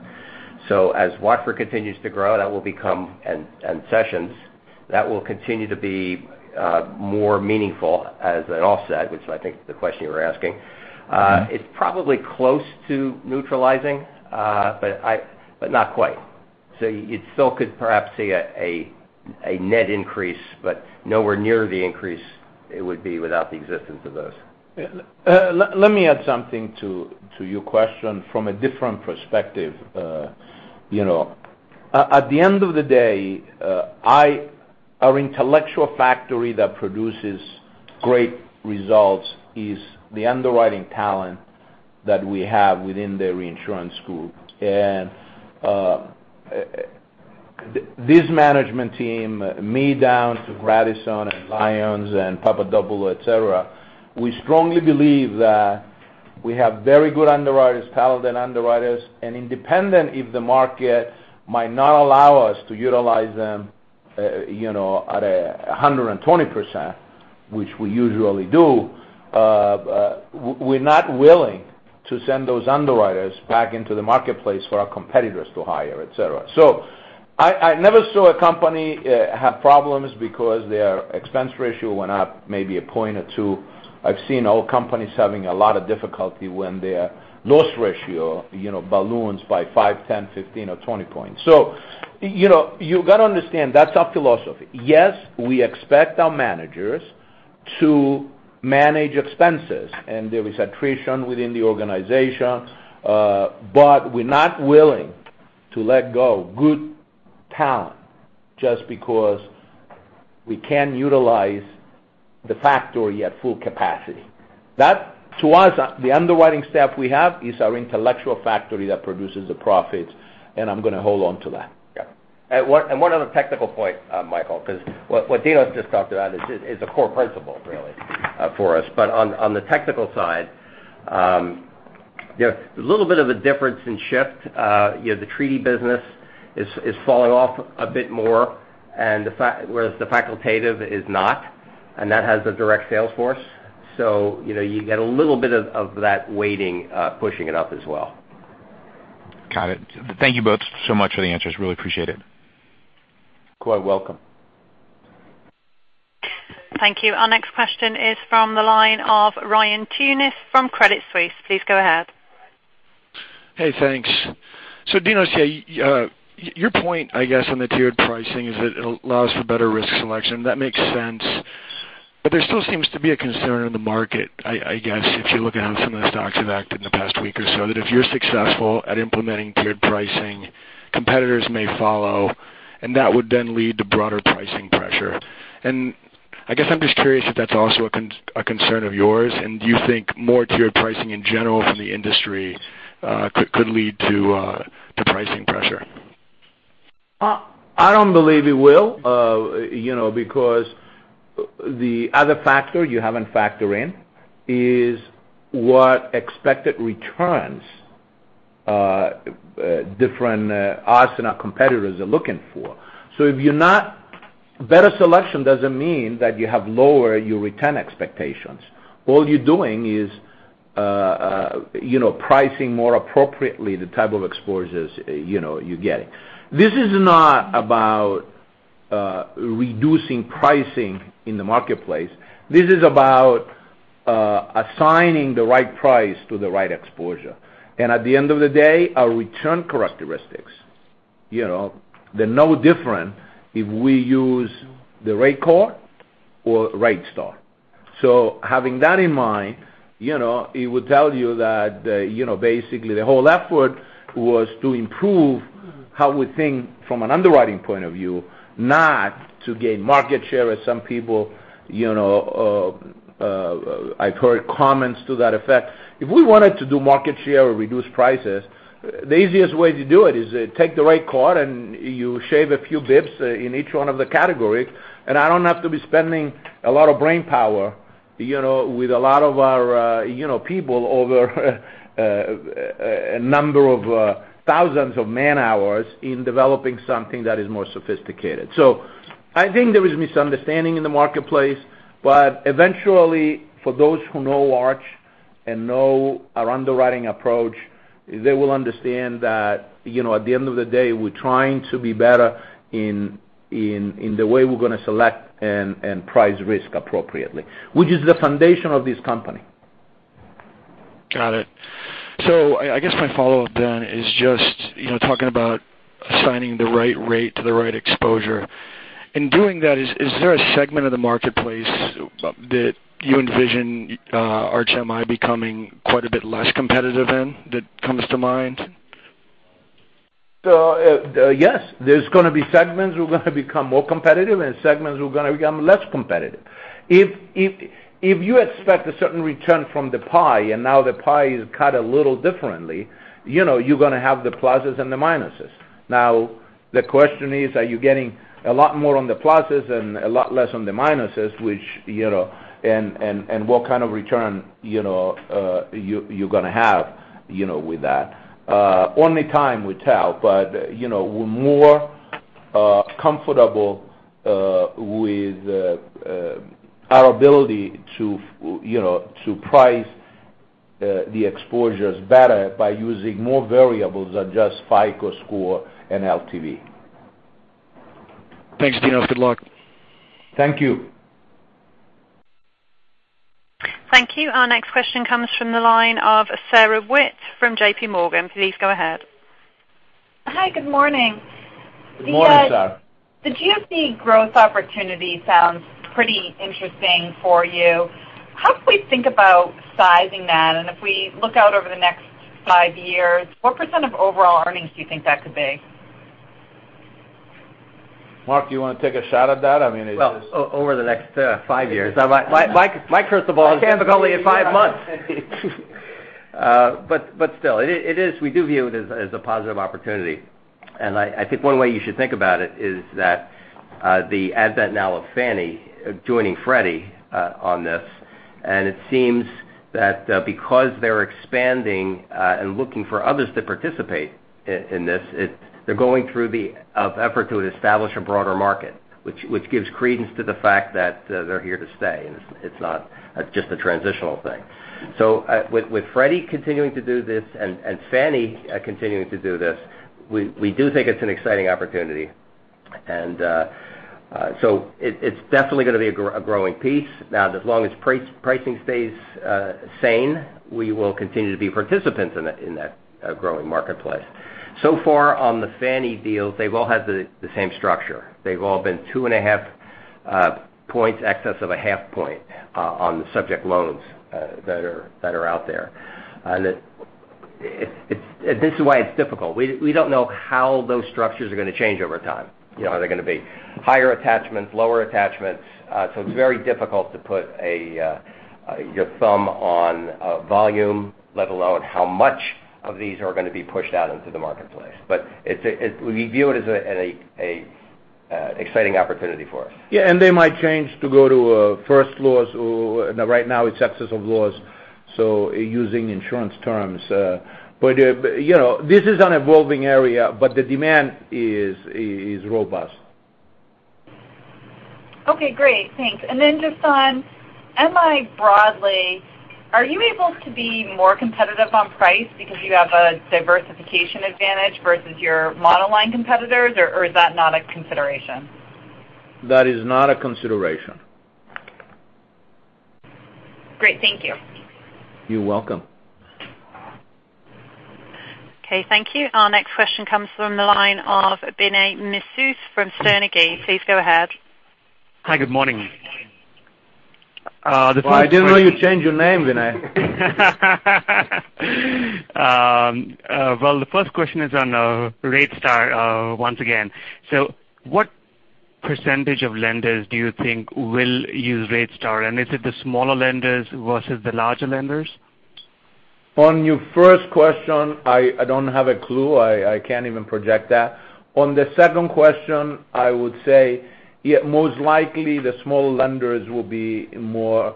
As Watford continues to grow and sessions, that will continue to be more meaningful as an offset, which I think is the question you were asking. It's probably close to neutralizing, but not quite. You still could perhaps see a net increase, but nowhere near the increase it would be without the existence of those. Let me add something to your question from a different perspective. At the end of the day, our intellectual factory that produces great results is the underwriting talent that we have within the reinsurance group. This management team, me down to Grandisson and Lyons and Papadopoulo, et cetera, we strongly believe that we have very good underwriters, talented underwriters. Independent if the market might not allow us to utilize them at 120%, which we usually do, we're not willing to send those underwriters back into the marketplace for our competitors to hire, et cetera. I never saw a company have problems because their expense ratio went up maybe a point or two. I've seen old companies having a lot of difficulty when their loss ratio balloons by five, 10, 15, or 20 points. You've got to understand, that's our philosophy. Yes, we expect our managers to manage expenses, and there is attrition within the organization. We're not willing to let go good talent just because we can't utilize the factory at full capacity. That, to us, the underwriting staff we have is our intellectual factory that produces a profit, and I'm going to hold on to that. Yeah. One other technical point, Michael, because what Dino's just talked about is a core principle, really, for us. On the technical side, there's a little bit of a difference in shift. The treaty business is falling off a bit more, whereas the facultative is not, and that has the direct sales force. You get a little bit of that weighting pushing it up as well. Got it. Thank you both so much for the answers. Really appreciate it. You're welcome. Thank you. Our next question is from the line of Ryan Tunis from Credit Suisse. Please go ahead. Hey, thanks. Dino, your point, I guess, on the tiered pricing is that it allows for better risk selection. That makes sense. There still seems to be a concern in the market, I guess, if you look at how some of the stocks have acted in the past week or so, that if you're successful at implementing tiered pricing, competitors may follow, and that would then lead to broader pricing pressure. I guess I'm just curious if that's also a concern of yours. Do you think more tiered pricing in general from the industry could lead to pricing pressure? I don't believe it will because the other factor you haven't factored in is what expected returns different, us and our competitors are looking for. Better selection doesn't mean that you have lower your return expectations. All you're doing is pricing more appropriately the type of exposures you're getting. This is not about reducing pricing in the marketplace. This is about assigning the right price to the right exposure. At the end of the day, our return characteristics, they're no different if we use the rate card or RateStar. Having that in mind, it would tell you that basically the whole effort was to improve how we think from an underwriting point of view, not to gain market share as some people I've heard comments to that effect. If we wanted to do market share or reduce prices, the easiest way to do it is take the rate card and you shave a few bips in each one of the categories, and I don't have to be spending a lot of brain power with a lot of our people over a number of thousands of man-hours in developing something that is more sophisticated. I think there is misunderstanding in the marketplace, but eventually, for those who know Arch and know our underwriting approach, they will understand that at the end of the day, we're trying to be better in the way we're going to select and price risk appropriately, which is the foundation of this company. Got it. I guess my follow-up then is just talking about assigning the right rate to the right exposure. In doing that, is there a segment of the marketplace that you envision Arch MI becoming quite a bit less competitive in that comes to mind? Yes. There's going to be segments we're going to become more competitive and segments we're going to become less competitive. If you expect a certain return from the pie and now the pie is cut a little differently, you're going to have the pluses and the minuses. Now the question is, are you getting a lot more on the pluses and a lot less on the minuses, and what kind of return you're going to have with that? Only time will tell, but we're more comfortable with our ability to price the exposures better by using more variables than just FICO score and LTV. Thanks, Dino. Good luck. Thank you. Thank you. Our next question comes from the line of Sarah DeWitt from J.P. Morgan. Please go ahead. Hi, good morning. Good morning, Sarah. The GSE growth opportunity sounds pretty interesting for you. How can we think about sizing that? If we look out over the next five years, what % of overall earnings do you think that could be? Mark, do you want to take a shot at that? I mean, Over the next five years. My crystal ball is difficult only at five months. Still, we do view it as a positive opportunity, and I think one way you should think about it is that the advent now of Fannie joining Freddie on this. It seems that because they're expanding and looking for others to participate in this, they're going through the effort to establish a broader market, which gives credence to the fact that they're here to stay, and it's not just a transitional thing. With Freddie continuing to do this and Fannie continuing to do this, we do think it's an exciting opportunity. It's definitely going to be a growing piece. Now, as long as pricing stays sane, we will continue to be participants in that growing marketplace. So far on the Fannie deals, they've all had the same structure. They've all been two and a half points, excess of a half point on the subject loans that are out there. This is why it's difficult. We don't know how those structures are going to change over time. Are there going to be higher attachments, lower attachments? It's very difficult to put your thumb on volume, let alone how much of these are going to be pushed out into the marketplace. We view it as an exciting opportunity for us. Yeah, they might change to go to first loss. Right now, it's excess of loss, so using insurance terms. This is an evolving area, but the demand is robust. Okay, great. Thanks. Then just on MI broadly, are you able to be more competitive on price because you have a diversification advantage versus your monoline competitors? Or is that not a consideration? That is not a consideration. Great. Thank you. You're welcome. Okay, thank you. Our next question comes from the line of Vinay Misquith from Sterne Agee CRT. Please go ahead. Hi, good morning. Oh, I didn't know you changed your name, Vinay. Well, the first question is on RateStar once again. What % of lenders do you think will use RateStar, and is it the smaller lenders versus the larger lenders? On your first question, I don't have a clue. I can't even project that. On the second question, I would say most likely the small lenders will be more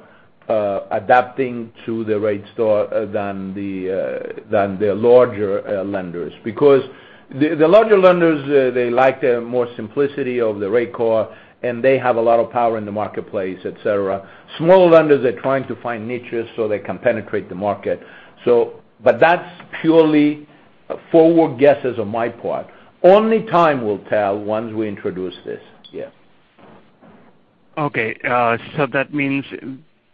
adapting to the RateStar than the larger lenders. The larger lenders, they like the more simplicity of the rate card, and they have a lot of power in the marketplace, et cetera. Small lenders are trying to find niches so they can penetrate the market. That's purely forward guesses on my part. Only time will tell once we introduce this. Yeah. Okay. That means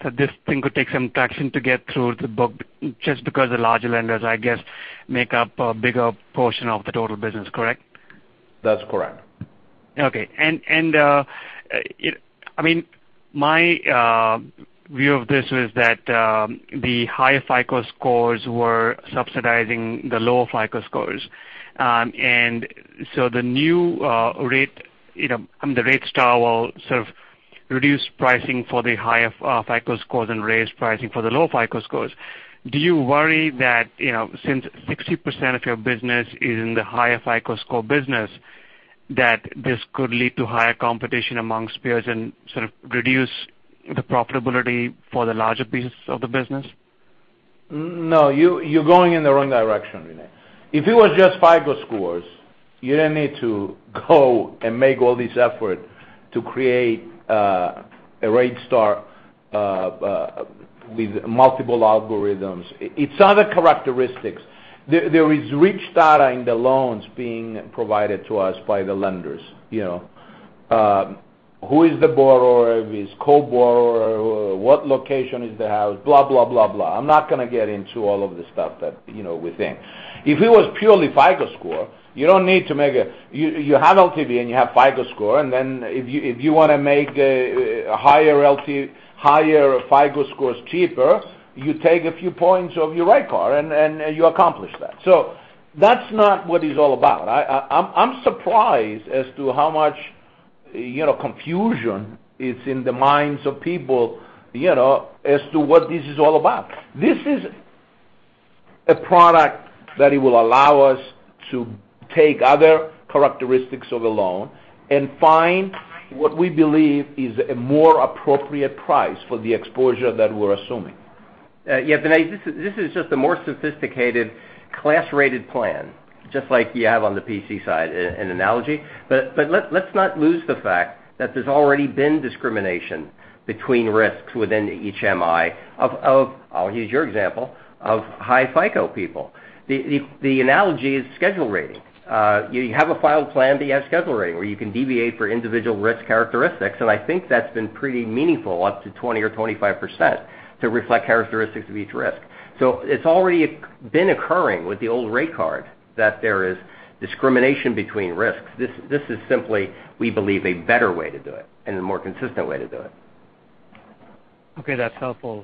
that this thing could take some traction to get through the book just because the larger lenders, I guess, make up a bigger portion of the total business, correct? That's correct. Okay. My view of this is that the higher FICO scores were subsidizing the lower FICO scores. The new rate, the RateStar will sort of reduce pricing for the higher FICO scores and raise pricing for the low FICO scores. Do you worry that, since 60% of your business is in the higher FICO score business, that this could lead to higher competition amongst peers and sort of reduce the profitability for the larger pieces of the business? No, you're going in the wrong direction, Vinay. If it was just FICO scores, you didn't need to go and make all this effort to create a RateStar with multiple algorithms. It's other characteristics. There is rich data in the loans being provided to us by the lenders. Who is the borrower? Is co-borrower? What location is the house? Blah, blah, blah. I'm not going to get into all of the stuff that within. If it was purely FICO score, you don't need to. You have LTV, and you have FICO score, and then if you want to make higher FICO scores cheaper, you take a few points of your rate card, and you accomplish that. That's not what it's all about. I'm surprised as to how much confusion is in the minds of people as to what this is all about. This is a product that it will allow us to take other characteristics of a loan and find what we believe is a more appropriate price for the exposure that we're assuming. Yeah, Vinay, this is just a more sophisticated class-rated plan, just like you have on the PC side, an analogy. Let's not lose the fact that there's already been discrimination between risks within each MI of, I'll use your example, of high FICO people. The analogy is schedule rating. You have a filed plan, but you have schedule rating where you can deviate for individual risk characteristics, and I think that's been pretty meaningful, up to 20% or 25%, to reflect characteristics of each risk. It's already been occurring with the old rate card that there is discrimination between risks. This is simply, we believe, a better way to do it and a more consistent way to do it. Okay, that's helpful.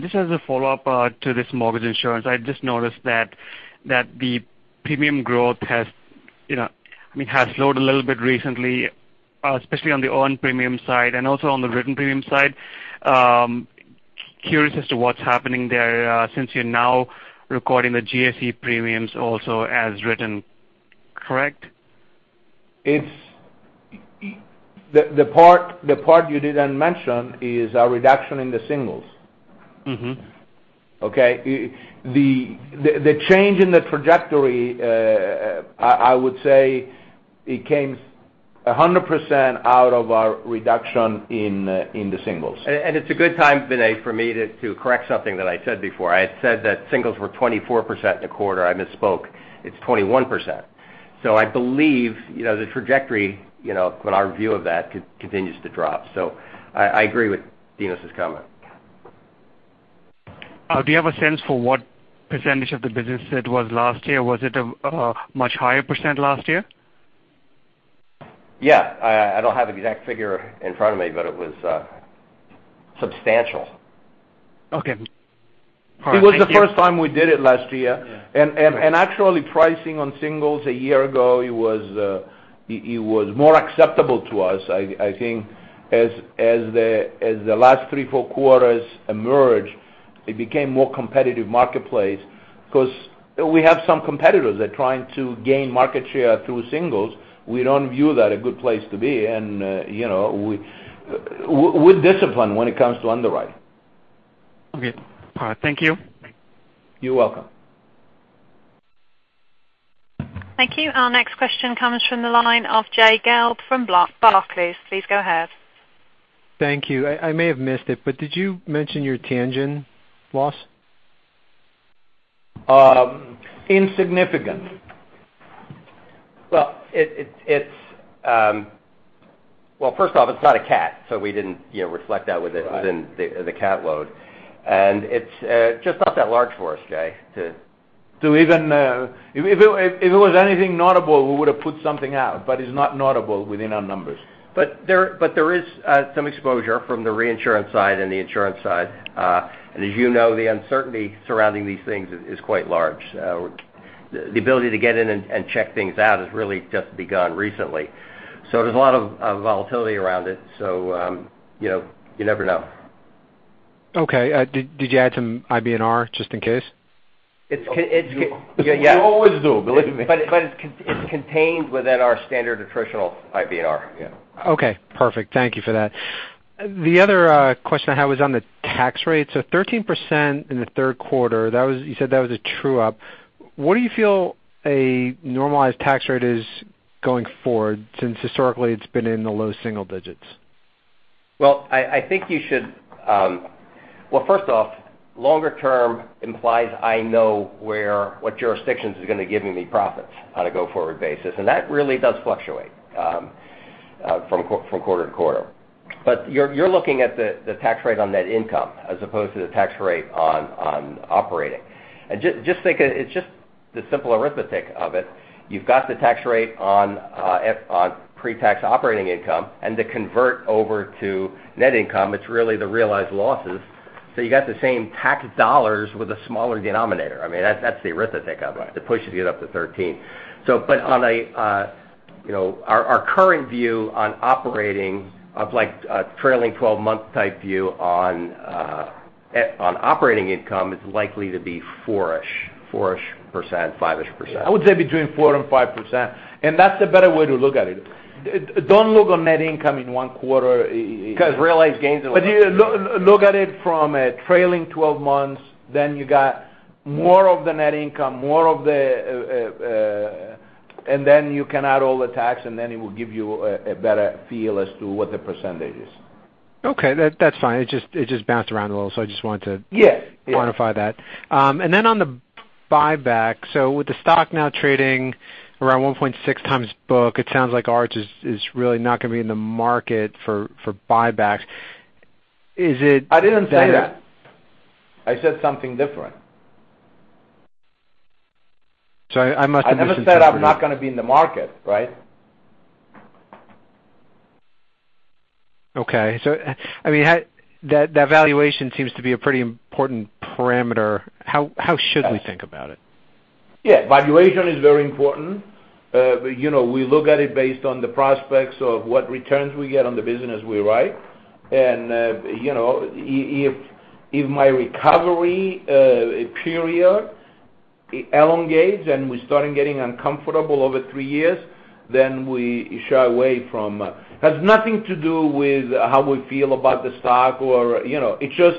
Just as a follow-up to this mortgage insurance, I just noticed that the premium growth has slowed a little bit recently, especially on the earned premium side and also on the written premium side. Curious as to what's happening there, since you're now recording the GSE premiums also as written, correct? The part you didn't mention is our reduction in the singles. Okay. The change in the trajectory, I would say it came 100% out of our reduction in the singles. It's a good time, Vinay, for me to correct something that I said before. I had said that singles were 24% in the quarter, I misspoke. It's 21%. I believe, the trajectory, but our view of that continues to drop. I agree with Dinos's comment. Do you have a sense for what % of the business it was last year? Was it a much higher % last year? Yeah. I don't have an exact figure in front of me, but it was substantial. Okay. All right. Thank you. It was the first time we did it last year. Yeah. Actually, pricing on singles a year ago, it was more acceptable to us. I think as the last three, four quarters emerged, it became more competitive marketplace because we have some competitors. They're trying to gain market share through singles. We don't view that a good place to be, and we're disciplined when it comes to underwriting. Okay. All right. Thank you. You're welcome. Thank you. Our next question comes from the line of Jay Gelb from Barclays. Please go ahead. Thank you. I may have missed it, but did you mention your Tianjin loss? Insignificant. Well, first off, it's not a cat, so we didn't reflect that within- Right the cat load. It's just not that large for us, Jay. If it was anything notable, we would've put something out, but it's not notable within our numbers. There is some exposure from the reinsurance side and the insurance side. As you know, the uncertainty surrounding these things is quite large. The ability to get in and check things out has really just begun recently. There's a lot of volatility around it, so you never know. Okay. Did you add some IBNR just in case? It's- We always do, believe me. It's contained within our standard attritional IBNR, yeah. Okay, perfect. Thank you for that. The other question I had was on the tax rate. 13% in the third quarter, you said that was a true-up. What do you feel a normalized tax rate is going forward, since historically it's been in the low single digits? Well, first off, longer term implies I know what jurisdictions is going to be giving me profits on a go-forward basis. That really does fluctuate from quarter to quarter. You're looking at the tax rate on net income as opposed to the tax rate on operating. It's just the simple arithmetic of it. You've got the tax rate on pre-tax operating income, and to convert over to net income, it's really the realized losses. You got the same tax dollars with a smaller denominator. That's the arithmetic of it. Right to push to get up to 13. Our current view on operating of a trailing 12-month type view on operating income is likely to be 4ish%. 5ish%. I would say between 4% and 5%. That's the better way to look at it. Don't look on net income in one quarter. Realized gains. Look at it from a trailing 12 months. Then you got more of the net income. You can add all the tax, then it will give you a better feel as to what the percentage is. Okay. That's fine. It just bounced around a little. I just wanted to. Yeah quantify that. On the buyback, with the stock now trading around 1.6 times book, it sounds like Arch is really not going to be in the market for buybacks. Is it? I didn't say that. I said something different. I must have misunderstood you. I never said I'm not going to be in the market, right? Okay. That valuation seems to be a pretty important parameter. How should we think about it? Yeah. Valuation is very important. We look at it based on the prospects of what returns we get on the business we write. If my recovery period elongates and we're starting getting uncomfortable over three years, then we shy away from it. It has nothing to do with how we feel about the stock or It's just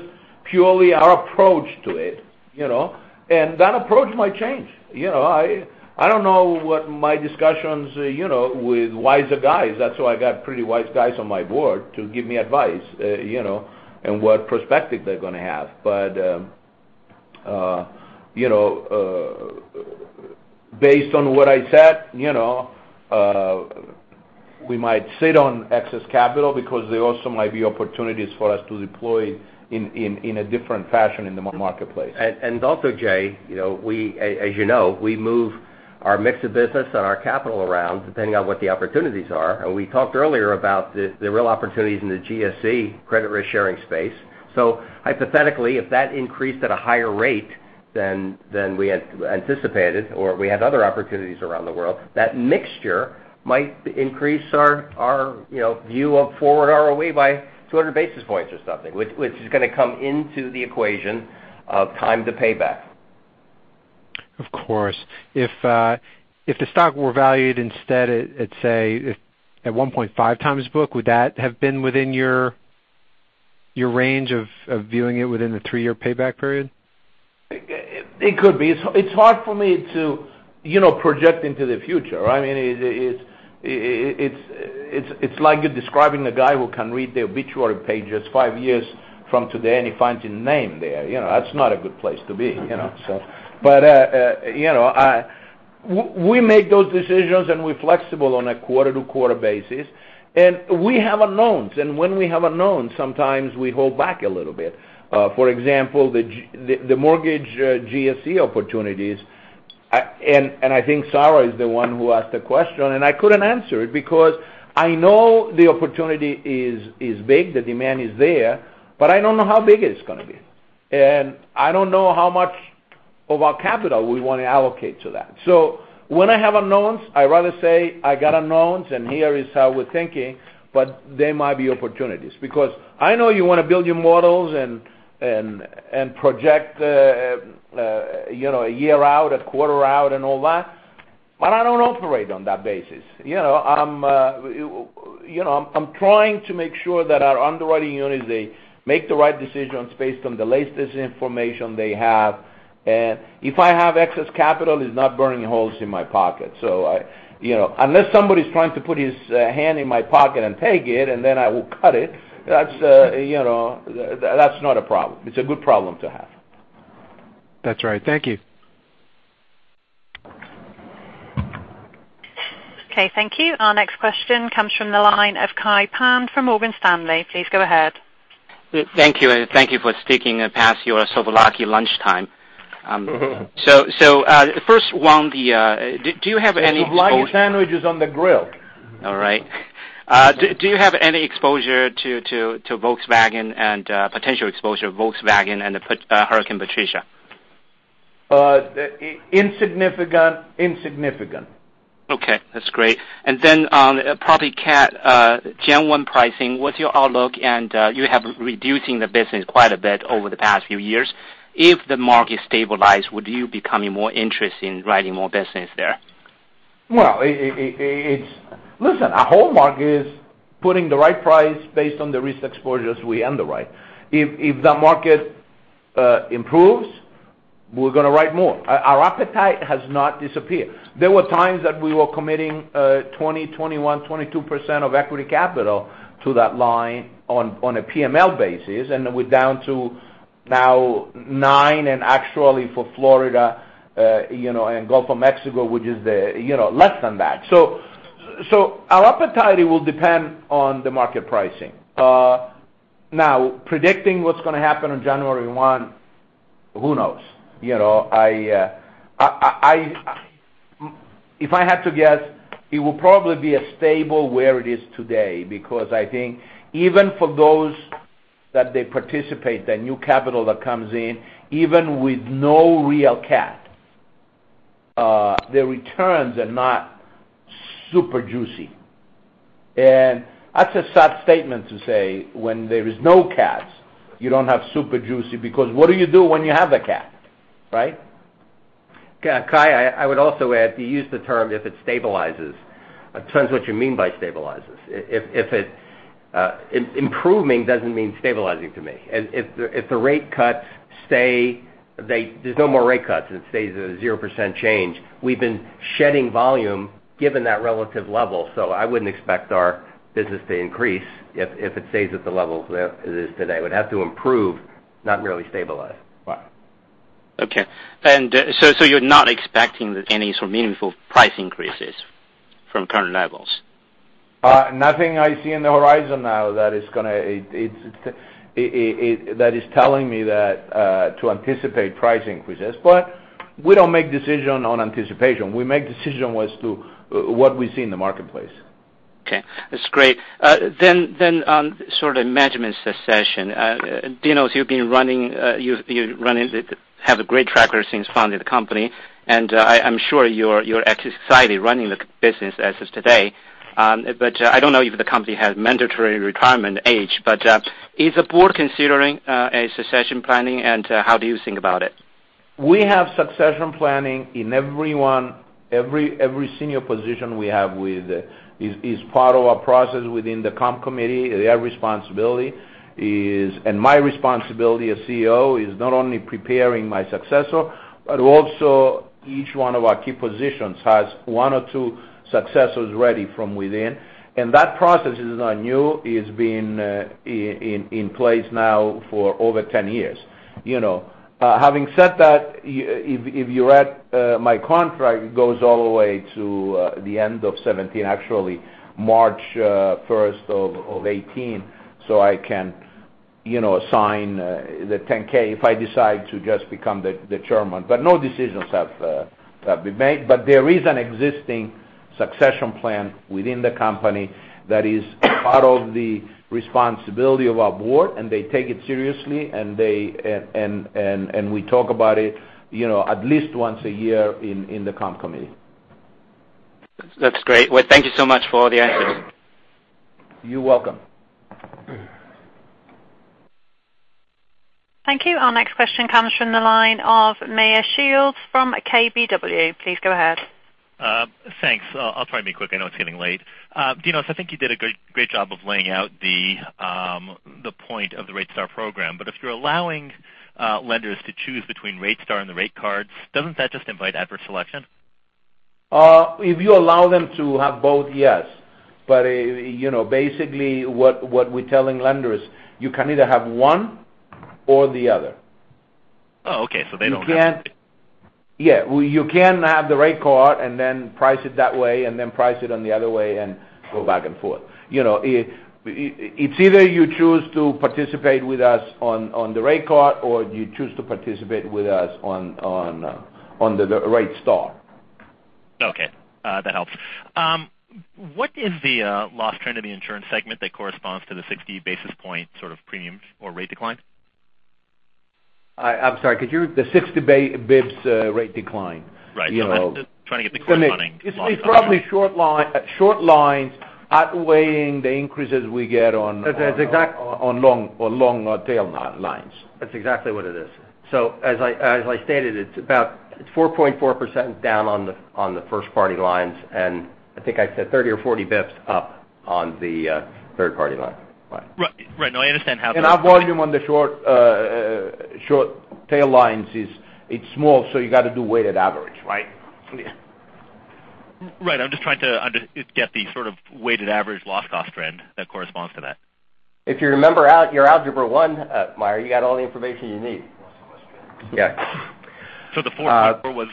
purely our approach to it. That approach might change. I don't know what my discussions with wiser guys, that's why I got pretty wise guys on my board to give me advice, and what perspective they're going to have. Based on what I said, we might sit on excess capital because there also might be opportunities for us to deploy in a different fashion in the marketplace. Also, Jay, as you know, we move our mix of business and our capital around depending on what the opportunities are. We talked earlier about the real opportunities in the GSE credit risk sharing space. Hypothetically, if that increased at a higher rate than we had anticipated, or we had other opportunities around the world, that mixture might increase our view of forward ROE by 200 basis points or something, which is going to come into the equation of time to payback. Of course. If the stock were valued instead at, let's say, at 1.5x book, would that have been within your range of viewing it within the three-year payback period? It could be. It's hard for me to project into the future. It's like you're describing a guy who can read the obituary pages five years from today, and he finds his name there. That's not a good place to be. We make those decisions, and we're flexible on a quarter-to-quarter basis. We have unknowns, and when we have unknowns, sometimes we hold back a little bit. For example, the mortgage GSE opportunities, and I think Sarah is the one who asked the question, and I couldn't answer it because I know the opportunity is big, the demand is there, but I don't know how big it's going to be. I don't know how much of our capital we want to allocate to that. When I have unknowns, I'd rather say, "I got unknowns, and here is how we're thinking, but there might be opportunities." I know you want to build your models and project a year out, a quarter out, and all that, but I don't operate on that basis. I'm trying to make sure that our underwriting units, they make the right decisions based on the latest information they have. If I have excess capital, it's not burning holes in my pocket. Unless somebody's trying to put his hand in my pocket and take it, and then I will cut it, that's not a problem. It's a good problem to have. That's right. Thank you. Okay, thank you. Our next question comes from the line of Kai Pan from Morgan Stanley. Please go ahead. Thank you. Thank you for sticking past your souvlaki lunchtime. First, one. The souvlaki sandwich is on the grill. All right. Do you have any exposure to Volkswagen and potential exposure of Volkswagen and the Hurricane Patricia? Insignificant. Okay, that's great. On property cat, January 1 pricing, what's your outlook? You have reducing the business quite a bit over the past few years. If the market stabilize, would you becoming more interested in writing more business there? Well, listen, our whole market is putting the right price based on the risk exposures we underwrite. If the market improves, we're going to write more. Our appetite has not disappeared. There were times that we were committing 20%, 21%, 22% of equity capital to that line on a PML basis, and we're down to now nine, and actually for Florida, and Gulf of Mexico, which is less than that. Our appetite, it will depend on the market pricing. Now, predicting what's going to happen on January 1, who knows? If I had to guess, it will probably be as stable where it is today, because I think even for those that they participate, the new capital that comes in, even with no real cat, the returns are not super juicy. That's a sad statement to say, when there is no cats, you don't have super juicy, because what do you do when you have the cat, right? Kai, I would also add, you used the term, if it stabilizes. It depends what you mean by stabilizes. Improving doesn't mean stabilizing to me. If the rate cuts stay, there's no more rate cuts, and it stays at a 0% change. We've been shedding volume given that relative level. I wouldn't expect our business to increase if it stays at the level that it is today. It would have to improve, not merely stabilize. Okay. You're not expecting any sort of meaningful price increases from current levels? Nothing I see in the horizon now that is telling me to anticipate price increases. We don't make decision on anticipation. We make decision as to what we see in the marketplace. Okay. That's great. On sort of management succession. Dinos, you have a great track record since founding the company, and I'm sure you're excitedly running the business as is today. I don't know if the company has mandatory retirement age, is the board considering a succession planning, and how do you think about it? We have succession planning in every senior position we have is part of our process within the Comp Committee. Their responsibility is, and my responsibility as CEO, is not only preparing my successor, but also each one of our key positions has one or two successors ready from within. That process is not new. It's been in place now for over 10 years. Having said that, if you read my contract, it goes all the way to the end of 2017, actually March 1st of 2018. I can sign the 10-K if I decide to just become the chairman. No decisions have been made. There is an existing succession plan within the company that is part of the responsibility of our board, and they take it seriously, and we talk about it at least once a year in the Comp Committee. That's great. Well, thank you so much for the answers. You're welcome. Thank you. Our next question comes from the line of Meyer Shields from KBW. Please go ahead. Thanks. I'll try and be quick. I know it's getting late. Dinos, I think you did a great job of laying out the point of the RateStar program. If you're allowing lenders to choose between RateStar and the rate cards, doesn't that just invite adverse selection? If you allow them to have both, yes. Basically, what we're telling lenders, you can either have one or the other. Oh, okay. They don't have. You can't have the rate card and then price it that way and then price it on the other way and go back and forth. It's either you choose to participate with us on the rate card, or you choose to participate with us on the RateStar. Okay. That helps. What is the loss trend in the insurance segment that corresponds to the 60 basis point sort of premium or rate decline? I'm sorry, could you? The 60 basis points rate decline. Right. I am trying to get the credit running. It is probably short lines outweighing the increases we get on long tail lines. That is exactly what it is. As I stated, it is about 4.4% down on the first party lines, I think I said 30 or 40 basis points up on the third party lines. Right. No, I understand. Our volume on the short tail lines is small, you got to do weighted average, right? Right. I'm just trying to get the sort of weighted average loss cost trend that corresponds to that. If you remember your algebra one, Meyer, you got all the information you need. Yeah. The four was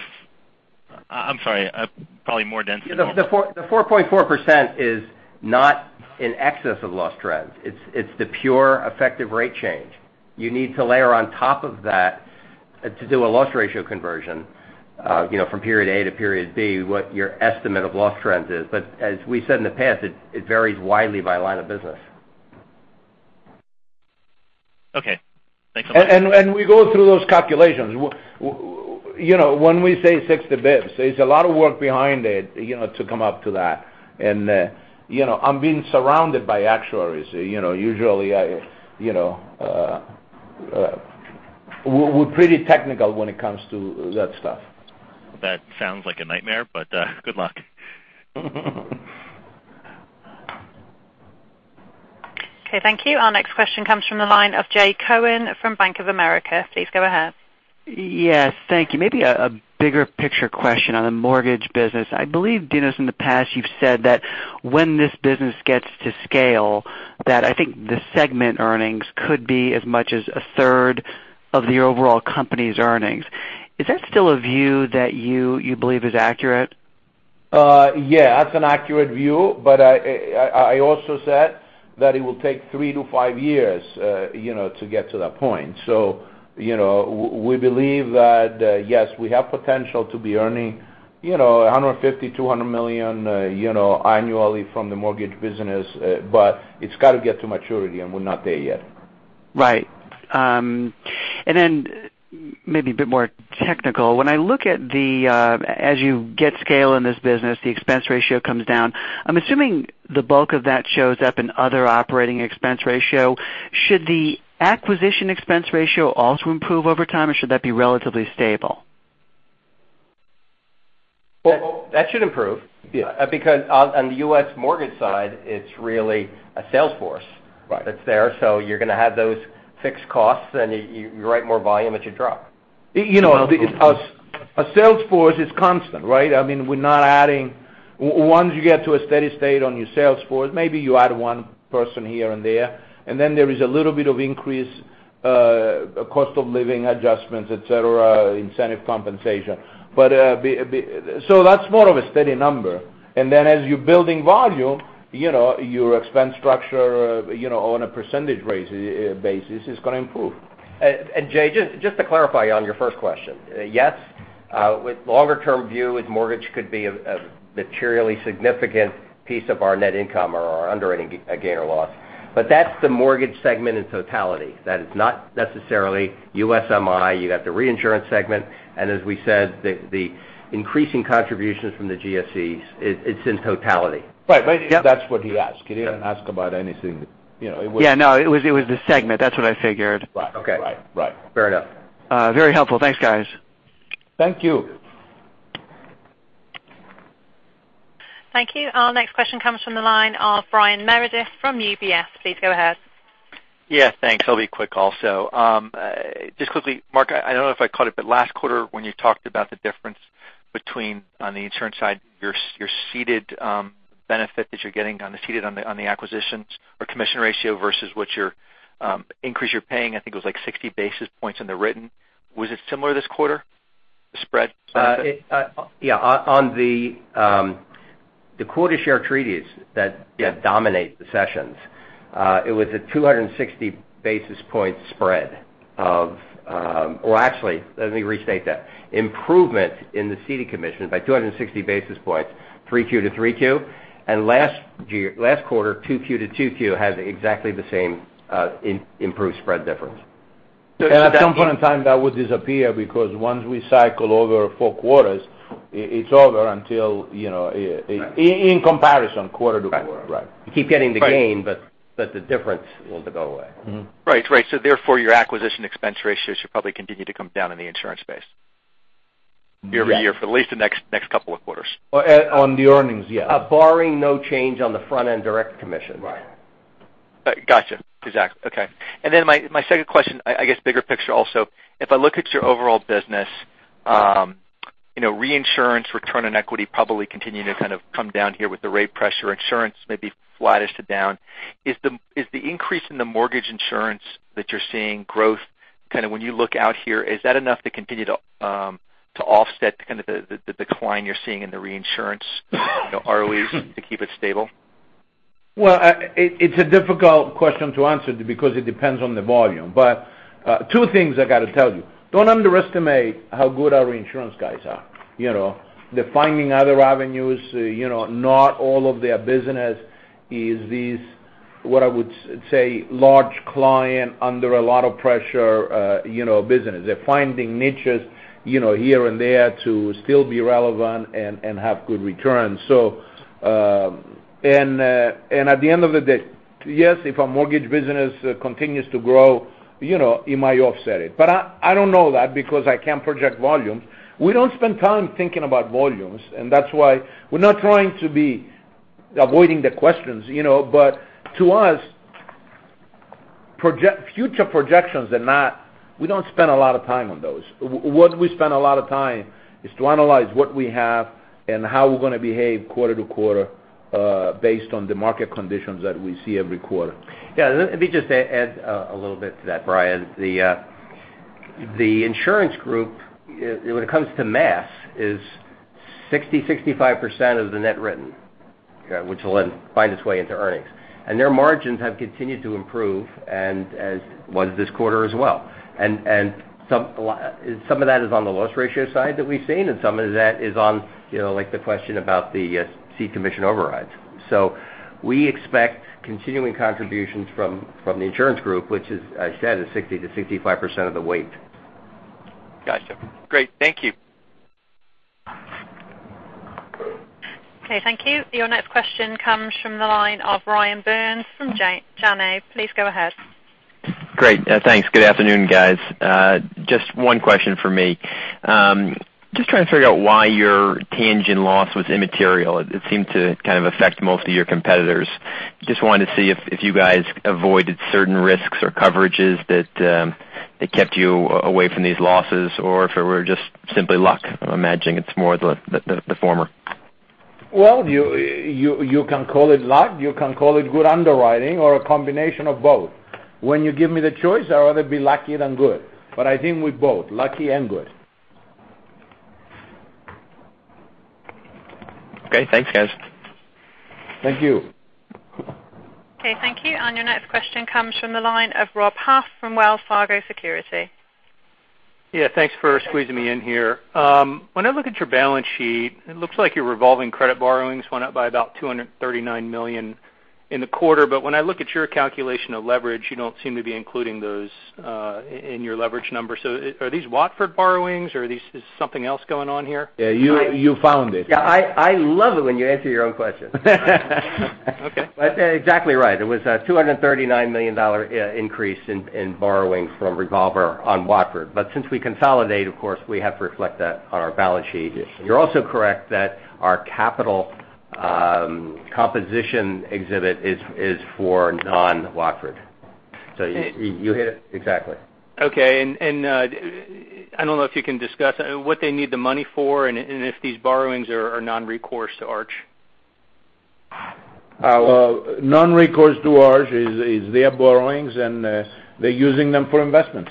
I'm sorry. The 4.4% is not in excess of loss trends. It's the pure effective rate change. You need to layer on top of that to do a loss ratio conversion from period A to period B, what your estimate of loss trends is. As we said in the past, it varies widely by line of business. Okay. Thanks a lot. We go through those calculations. When we say 60 basis points, there's a lot of work behind it to come up to that. I'm being surrounded by actuaries. Usually, we're pretty technical when it comes to that stuff. That sounds like a nightmare, but good luck. Okay. Thank you. Our next question comes from the line of Jay Cohen from Bank of America. Please go ahead. Yes. Thank you. Maybe a bigger picture question on the mortgage business. I believe, Dinos, in the past, you've said that when this business gets to scale, that I think the segment earnings could be as much as a third of the overall company's earnings. Is that still a view that you believe is accurate? Yeah. That's an accurate view. I also said that it will take three to five years to get to that point. We believe that, yes, we have potential to be earning $150 million, $200 million annually from the mortgage business, but it's got to get to maturity, and we're not there yet. Right. Maybe a bit more technical. When I look at the, as you get scale in this business, the expense ratio comes down. I'm assuming the bulk of that shows up in other operating expense ratio. Should the acquisition expense ratio also improve over time, or should that be relatively stable? Well, that should improve. Yeah. On the U.S. mortgage side, it's really a sales force- Right That's there. You're going to have those fixed costs, and you write more volume, it should drop. A sales force is constant, right? I mean, we're not adding. Once you get to a steady state on your sales force, maybe you add one person here and there, and then there is a little bit of increase, cost of living adjustments, et cetera, incentive compensation. That's more of a steady number. Then as you're building volume, your expense structure on a percentage basis is going to improve. Jay, just to clarify on your first question. Yes, with longer term view is mortgage could be a materially significant piece of our net income or our underwriting gain or loss. But that's the mortgage segment in totality. That is not necessarily U.S. MI. You got the reinsurance segment, and as we said, the increasing contributions from the GSEs, it's in totality. Right.- Yep That's what he asked. He didn't ask about anything. Yeah. No, it was the segment. That's what I figured. Right. Okay. Right. Fair enough. Very helpful. Thanks, guys. Thank you. Thank you. Our next question comes from the line of Brian Meredith from UBS. Please go ahead. Yeah, thanks. I'll be quick also. Just quickly, Mark, I don't know if I caught it, but last quarter when you talked about the difference between on the insurance side, your ceded benefit that you're getting on the ceded on the acquisitions or commission ratio versus what your increase you're paying, I think it was like 60 basis points in the written. Was it similar this quarter, the spread? Yeah. On the quota share treaties that dominate the sessions, it was a 260 basis point spread of, well, actually, let me restate that. Improvement in the ceded commission by 260 basis points, 3Q to 3Q. Last quarter, 2Q to 2Q had exactly the same improved spread difference. At some point in time, that would disappear because once we cycle over 4 quarters, it's over until in comparison, quarter-to-quarter. Right. You keep getting the gain, but the difference will go away. Right. Therefore, your acquisition expense ratio should probably continue to come down in the insurance space. Yes. Year-over-year for at least the next couple of quarters. On the earnings, yes. Barring no change on the front-end direct commission. Got you. Exactly. Okay. My second question, I guess bigger picture also, if I look at your overall business, reinsurance return on equity probably continuing to kind of come down here with the rate pressure, insurance may be flattish to down. Is the increase in the mortgage insurance that you're seeing growth, kind of when you look out here, is that enough to continue to offset the decline you're seeing in the reinsurance ROEs to keep it stable? Well, it's a difficult question to answer because it depends on the volume. Two things I got to tell you. Don't underestimate how good our reinsurance guys are. They're finding other avenues, not all of their business is these, what I would say, large client under a lot of pressure business. They're finding niches here and there to still be relevant and have good returns. At the end of the day, yes, if our mortgage business continues to grow, it might offset it. I don't know that because I can't project volumes. We don't spend time thinking about volumes, and that's why we're not trying to be avoiding the questions. To us, future projections and that, we don't spend a lot of time on those. What we spend a lot of time is to analyze what we have and how we're going to behave quarter to quarter, based on the market conditions that we see every quarter. Yeah. Let me just add a little bit to that, Brian. The insurance group, when it comes to math, is 60%-65% of the net written, which will then find its way into earnings. Their margins have continued to improve, as was this quarter as well. Some of that is on the loss ratio side that we've seen, some of that is on the question about the seed commission overrides. We expect continuing contributions from the insurance group, which as I said, is 60% to 65% of the weight. Got you. Great. Thank you. Okay. Thank you. Your next question comes from the line of Ryan Burns from Janney. Please go ahead. Great. Thanks. Good afternoon, guys. Just one question from me. Just trying to figure out why your Tianjin loss was immaterial. It seemed to kind of affect most of your competitors. Just wanted to see if you guys avoided certain risks or coverages that kept you away from these losses, or if it were just simply luck. I'm imagining it's more the former. Well, you can call it luck, you can call it good underwriting or a combination of both. When you give me the choice, I'd rather be lucky than good, but I think we're both lucky and good. Okay. Thanks, guys. Thank you. Okay. Thank you. Your next question comes from the line of Rob Huff from Wells Fargo Securities. Yeah. Thanks for squeezing me in here. When I look at your balance sheet, it looks like your revolving credit borrowings went up by about $239 million in the quarter. When I look at your calculation of leverage, you don't seem to be including those in your leverage numbers. Are these Watford borrowings, or is something else going on here? Yeah, you found it. Yeah, I love it when you answer your own question. Okay. Exactly right. It was a $239 million increase in borrowing from revolver on Watford. Since we consolidate, of course, we have to reflect that on our balance sheet. You are also correct that our capital composition exhibit is for non-Watford. You hit it exactly. Okay. I do not know if you can discuss what they need the money for and if these borrowings are non-recourse to Arch. Non-recourse to Arch is their borrowings, and they are using them for investments.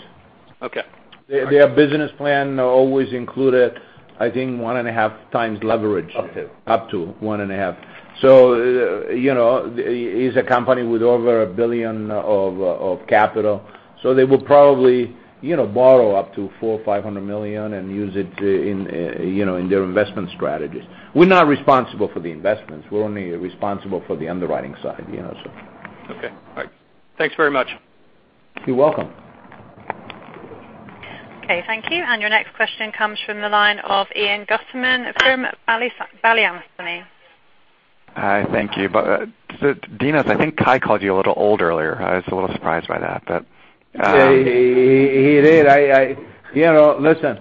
Okay. Their business plan always included, I think, one and a half times leverage. Up to. Up to one and a half. It's a company with over $1 billion of capital. They will probably borrow up to $400 million or $500 million and use it in their investment strategies. We're not responsible for the investments. We're only responsible for the underwriting side. Okay. All right. Thanks very much. You're welcome. Okay. Thank you. Your next question comes from the line of Ian Gutterman from Balyasny. Hi. Thank you. Dinos, I think Kai called you a little old earlier. I was a little surprised by that. He did. Listen,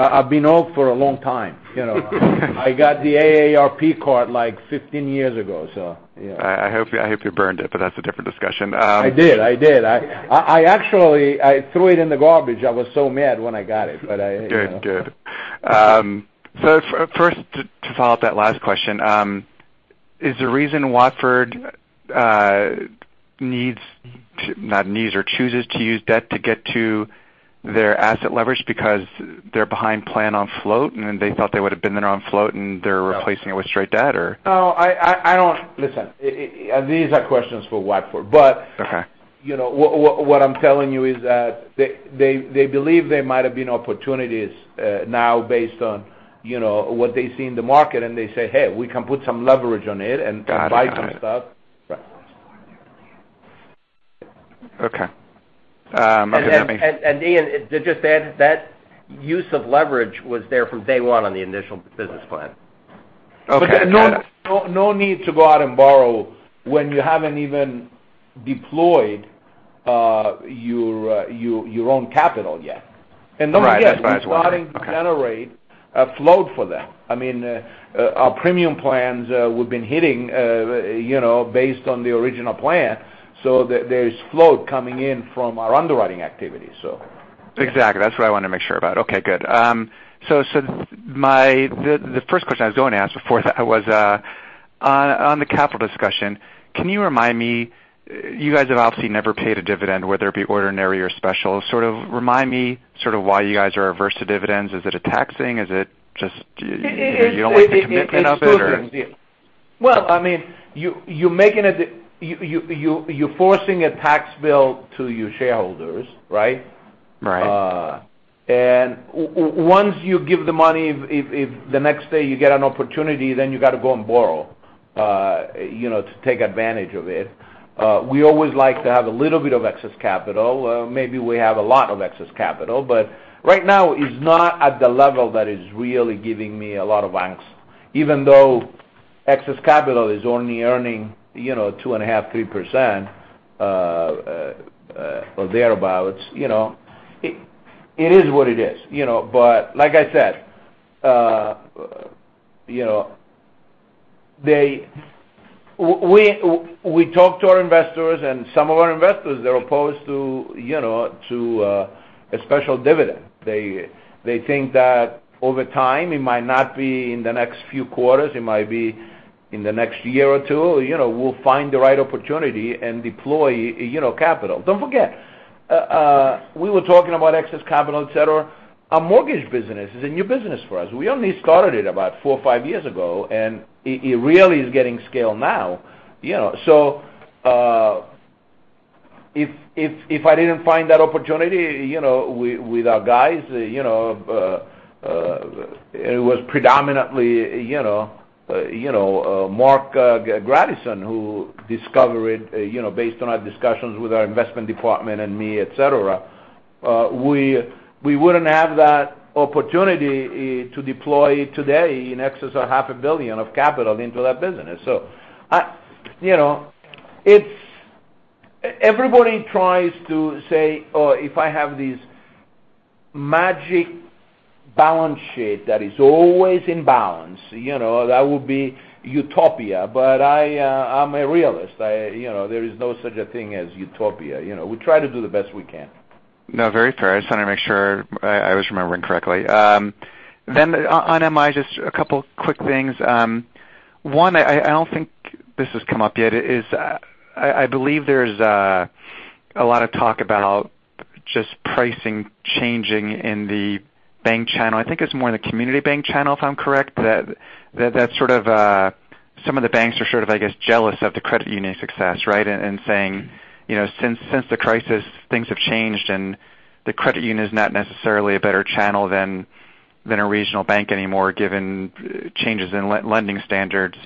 I've been old for a long time. I got the AARP card like 15 years ago, yeah. I hope you burned it, that's a different discussion. I did. I actually threw it in the garbage. I was so mad when I got it. Good. First, to follow up that last question, is the reason Watford needs or chooses to use debt to get to their asset leverage because they're behind plan on float, and they thought they would have been there on float and they're replacing it with straight debt or? No. Listen, these are questions for Watford. Okay what I'm telling you is that they believe there might have been opportunities now based on what they see in the market and they say, "Hey, we can put some leverage on it and can buy some stuff. Got it. Okay. Ian, just that use of leverage was there from day one on the initial business plan. Okay. No need to go out and borrow when you haven't even deployed your own capital yet. Right. Yes, we're starting to generate a float for them. Our premium plans, we've been hitting based on the original plan. There is float coming in from our underwriting activity. Exactly. That's what I wanted to make sure about. Okay, good. The first question I was going to ask before that was, on the capital discussion, can you remind me, you guys have obviously never paid a dividend, whether it be ordinary or special. Sort of remind me why you guys are averse to dividends. Is it a tax thing? Is it just- It is- You don't like the commitment of it, or? Well, you're forcing a tax bill to your shareholders, right? Right. Once you give the money, if the next day you get an opportunity, you got to go and borrow to take advantage of it. We always like to have a little bit of excess capital. Maybe we have a lot of excess capital, but right now it's not at the level that is really giving me a lot of angst. Even though excess capital is only earning 2.5%, 3%, or thereabouts. It is what it is. Like I said, we talk to our investors and some of our investors, they're opposed to a special dividend. They think that over time, it might not be in the next few quarters, it might be in the next year or two, we'll find the right opportunity and deploy capital. Don't forget, we were talking about excess capital, et cetera. Our mortgage business is a new business for us. We only started it about four or five years ago, it really is getting scale now. If I didn't find that opportunity with our guys, it was predominantly Marc Grandisson who discovered based on our discussions with our investment department and me, et cetera. We wouldn't have that opportunity to deploy today in excess of half a billion of capital into that business. Everybody tries to say, "Oh, if I have this magic balance sheet that is always in balance," that would be utopia. I'm a realist. There is no such a thing as utopia. We try to do the best we can. Very fair. I just wanted to make sure I was remembering correctly. On MI, just a couple quick things. One, I don't think this has come up yet, I believe there's a lot of talk about just pricing changing in the bank channel. I think it's more in the community bank channel, if I'm correct. That sort of some of the banks are sort of, I guess, jealous of the credit union success, right? Saying, since the crisis, things have changed and the credit union is not necessarily a better channel than a regional bank anymore, given changes in lending standards,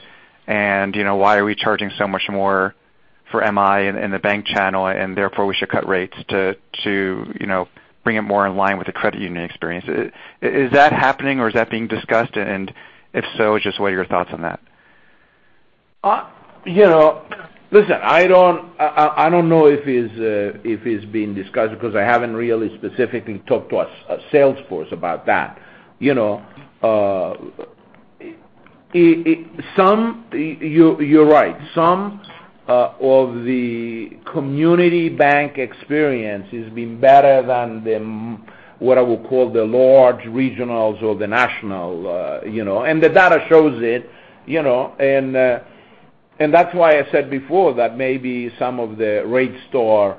why are we charging so much more for MI in the bank channel, therefore we should cut rates to bring it more in line with the credit union experience. Is that happening or is that being discussed? If so, just what are your thoughts on that? Listen, I don't know if it's being discussed because I haven't really specifically talked to a sales force about that. You're right. Some of the community bank experience is being better than what I would call the large regionals or the national. The data shows it. That's why I said before that maybe some of the RateStar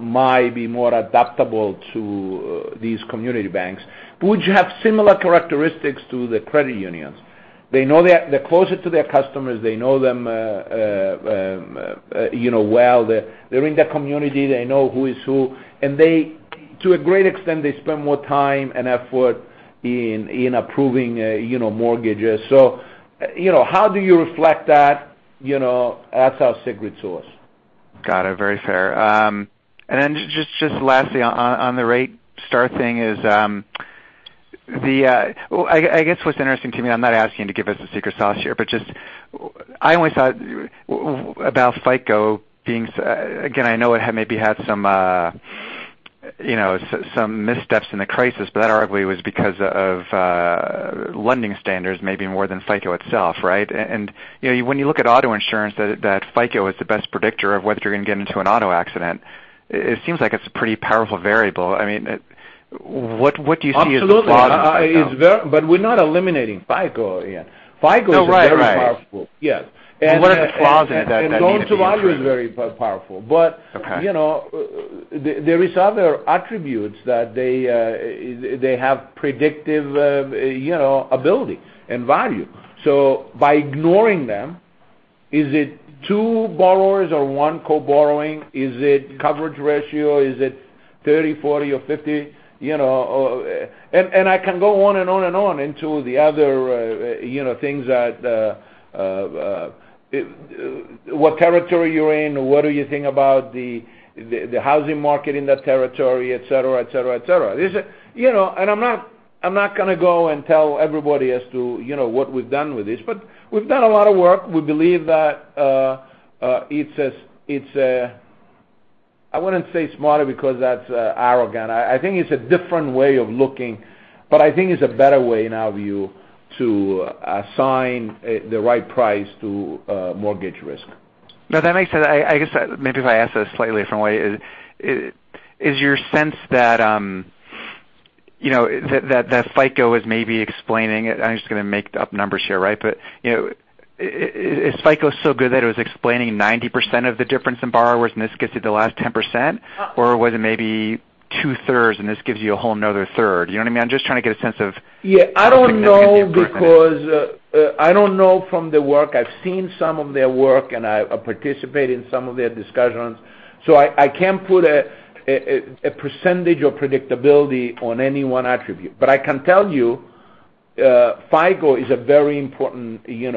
might be more adaptable to these community banks, which have similar characteristics to the credit unions. They're closer to their customers. They know them well. They're in the community. They know who is who. To a great extent, they spend more time and effort in approving mortgages. How do you reflect that? That's our secret sauce. Got it. Very fair. Just lastly on the RateStar thing is, I guess what's interesting to me, I'm not asking you to give us the secret sauce here, but just, I always thought about FICO being, again, I know it maybe had some missteps in the crisis, but that arguably was because of lending standards, maybe more than FICO itself, right? When you look at auto insurance, that FICO is the best predictor of whether you're going to get into an auto accident, it seems like it's a pretty powerful variable. What do you see as the flaws in FICO? We're not eliminating FICO, Ian. FICO is very powerful. No, right. Yes. What are the flaws in it that mean it'd be improved? loans survival is very powerful. Okay. there is other attributes that they have predictive ability and value. By ignoring them, is it two borrowers or one co-borrowing? Is it coverage ratio? 30, 40, or 50. I can go on and on, into the other things that what territory you're in, what do you think about the housing market in that territory, et cetera. I'm not going to go and tell everybody as to what we've done with this, we've done a lot of work. We believe that it's a I wouldn't say smarter because that's arrogant. I think it's a different way of looking. I think it's a better way, in our view, to assign the right price to mortgage risk. No, that makes sense. I guess, maybe if I ask this a slightly different way. Is your sense that FICO is maybe explaining it? I'm just going to make up numbers here. Is FICO so good that it was explaining 90% of the difference in borrowers, and this gets you the last 10%? Or was it maybe two-thirds, and this gives you a whole another third? You know what I mean? I'm just trying to get a sense of. Yeah, I don't know. How significant the improvement is. I don't know from the work. I've seen some of their work, I participate in some of their discussions. I can't put a percentage or predictability on any one attribute. I can tell you, FICO is a very important piece.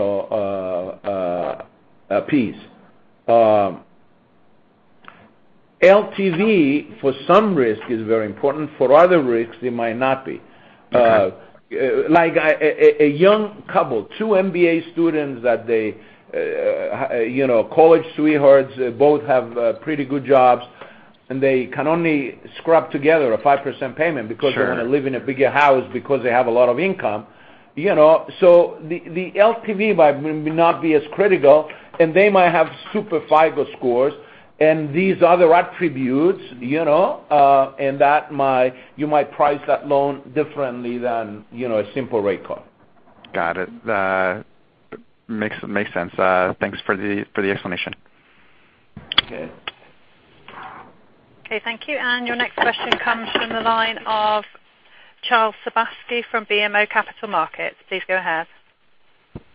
LTV, for some risk, is very important. For other risks, it might not be. Okay. Like a young couple, two MBA students that, college sweethearts, both have pretty good jobs. They can only scrub together a 5% payment because. Sure They want to live in a bigger house because they have a lot of income. The LTV may not be as critical, and they might have super FICO scores. These other attributes. You might price that loan differently than a simple rate card. Got it. Makes sense. Thanks for the explanation. Okay. Okay, thank you. Your next question comes from the line of Charles Sebaski from BMO Capital Markets. Please go ahead.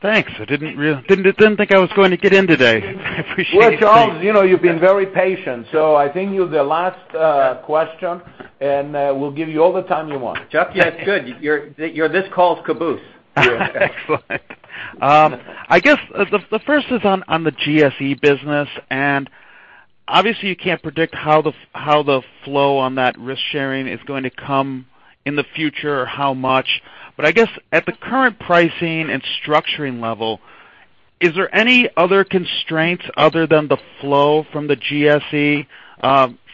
Thanks. I didn't think I was going to get in today. I appreciate it. Well, Charles, you've been very patient, I think you're the last question, we'll give you all the time you want. Chuck, yeah, it's good. You're this call's caboose. Excellent. I guess, the first is on the GSE business. Obviously, you can't predict how the flow on that risk sharing is going to come in the future or how much. I guess at the current pricing and structuring level, is there any other constraints other than the flow from the GSE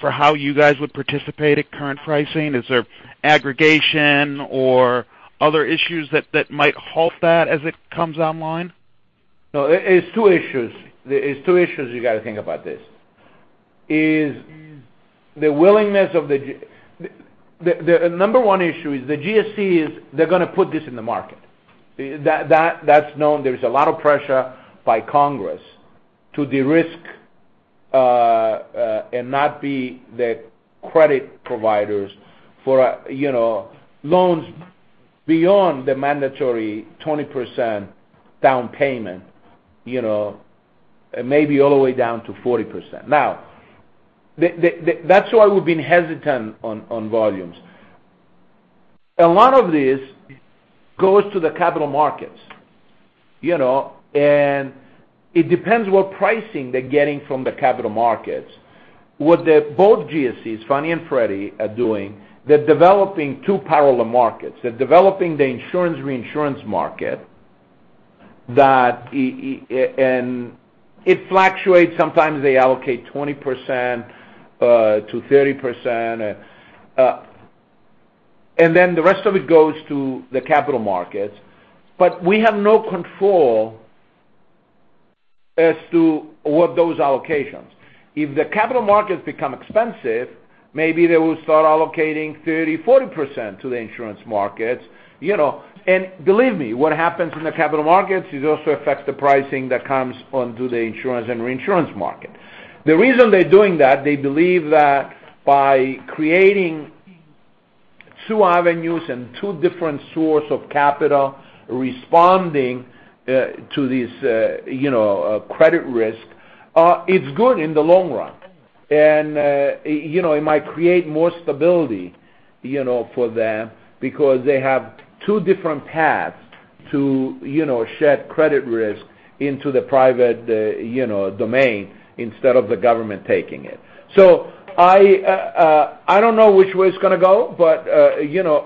for how you guys would participate at current pricing? Is there aggregation or other issues that might halt that as it comes online? No, it's two issues you got to think about this. The number one issue is the GSE is they're gonna put this in the market. That's known. There's a lot of pressure by Congress to de-risk and not be the credit providers for loans beyond the mandatory 20% down payment, maybe all the way down to 40%. That's why we've been hesitant on volumes. A lot of this goes to the capital markets. It depends what pricing they're getting from the capital markets. What both GSEs, Fannie and Freddie, are doing, they're developing two parallel markets. They're developing the insurance reinsurance market. It fluctuates. Sometimes they allocate 20%-30%. The rest of it goes to the capital markets. We have no control as to what those allocations. If the capital markets become expensive, maybe they will start allocating 30%, 40% to the insurance markets. Believe me, what happens in the capital markets, it also affects the pricing that comes onto the insurance and reinsurance market. The reason they're doing that, they believe that by creating two avenues and two different source of capital responding to this credit risk, it's good in the long run. It might create more stability for them because they have two different paths to shed credit risk into the private domain instead of the government taking it. I don't know which way it's gonna go.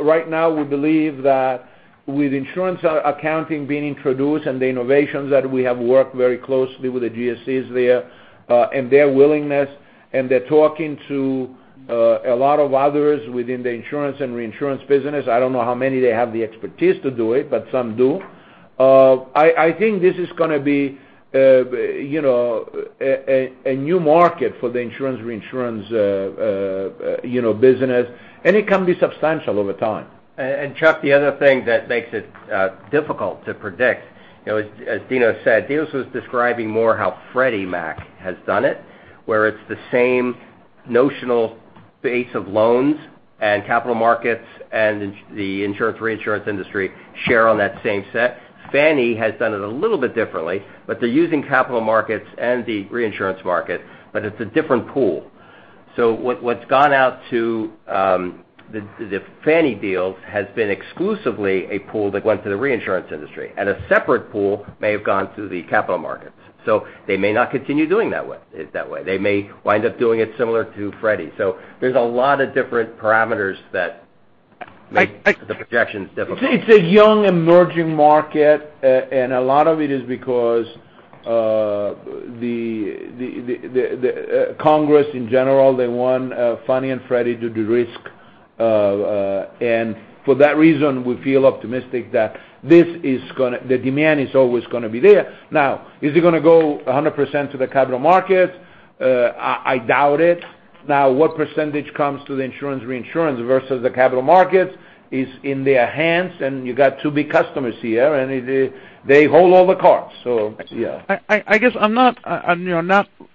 Right now, we believe that with insurance accounting being introduced and the innovations that we have worked very closely with the GSEs there, and their willingness, and they're talking to a lot of others within the insurance and reinsurance business. I don't know how many they have the expertise to do it, but some do. I think this is going to be a new market for the insurance, reinsurance business. It can be substantial over time. Chuck, the other thing that makes it difficult to predict, as Dino said, Dino was describing more how Freddie Mac has done it, where it's the same notional base of loans And capital markets and the insurance reinsurance industry share on that same set. Fannie has done it a little bit differently, but they're using capital markets and the reinsurance market, but it's a different pool. What's gone out to the Fannie deals has been exclusively a pool that went to the reinsurance industry, and a separate pool may have gone to the capital markets. They may not continue doing it that way. They may wind up doing it similar to Freddie. There's a lot of different parameters that make the projections difficult. It's a young emerging market, and a lot of it is because the Congress, in general, they want Fannie and Freddie to de-risk. For that reason, we feel optimistic that the demand is always gonna be there. Now, is it gonna go 100% to the capital markets? I doubt it. Now, what percentage comes to the insurance reinsurance versus the capital markets is in their hands, and you got two big customers here, and they hold all the cards. Yeah. I guess I'm not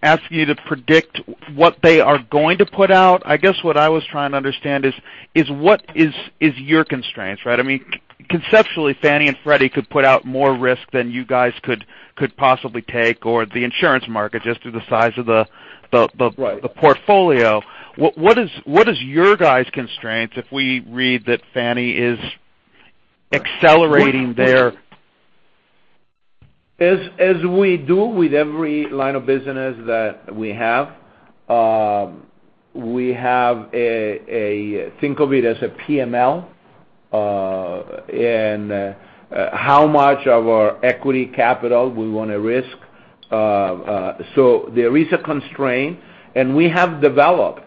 asking you to predict what they are going to put out. I guess what I was trying to understand is what is your constraints, right? I mean, conceptually, Fannie and Freddie could put out more risk than you guys could possibly take, or the insurance market, just through the size of the- Right the portfolio. What is your guys' constraints if we read that Fannie is accelerating their- As we do with every line of business that we have, we have a, think of it as a PML, and how much of our equity capital we want to risk. There is a constraint, and we have developed,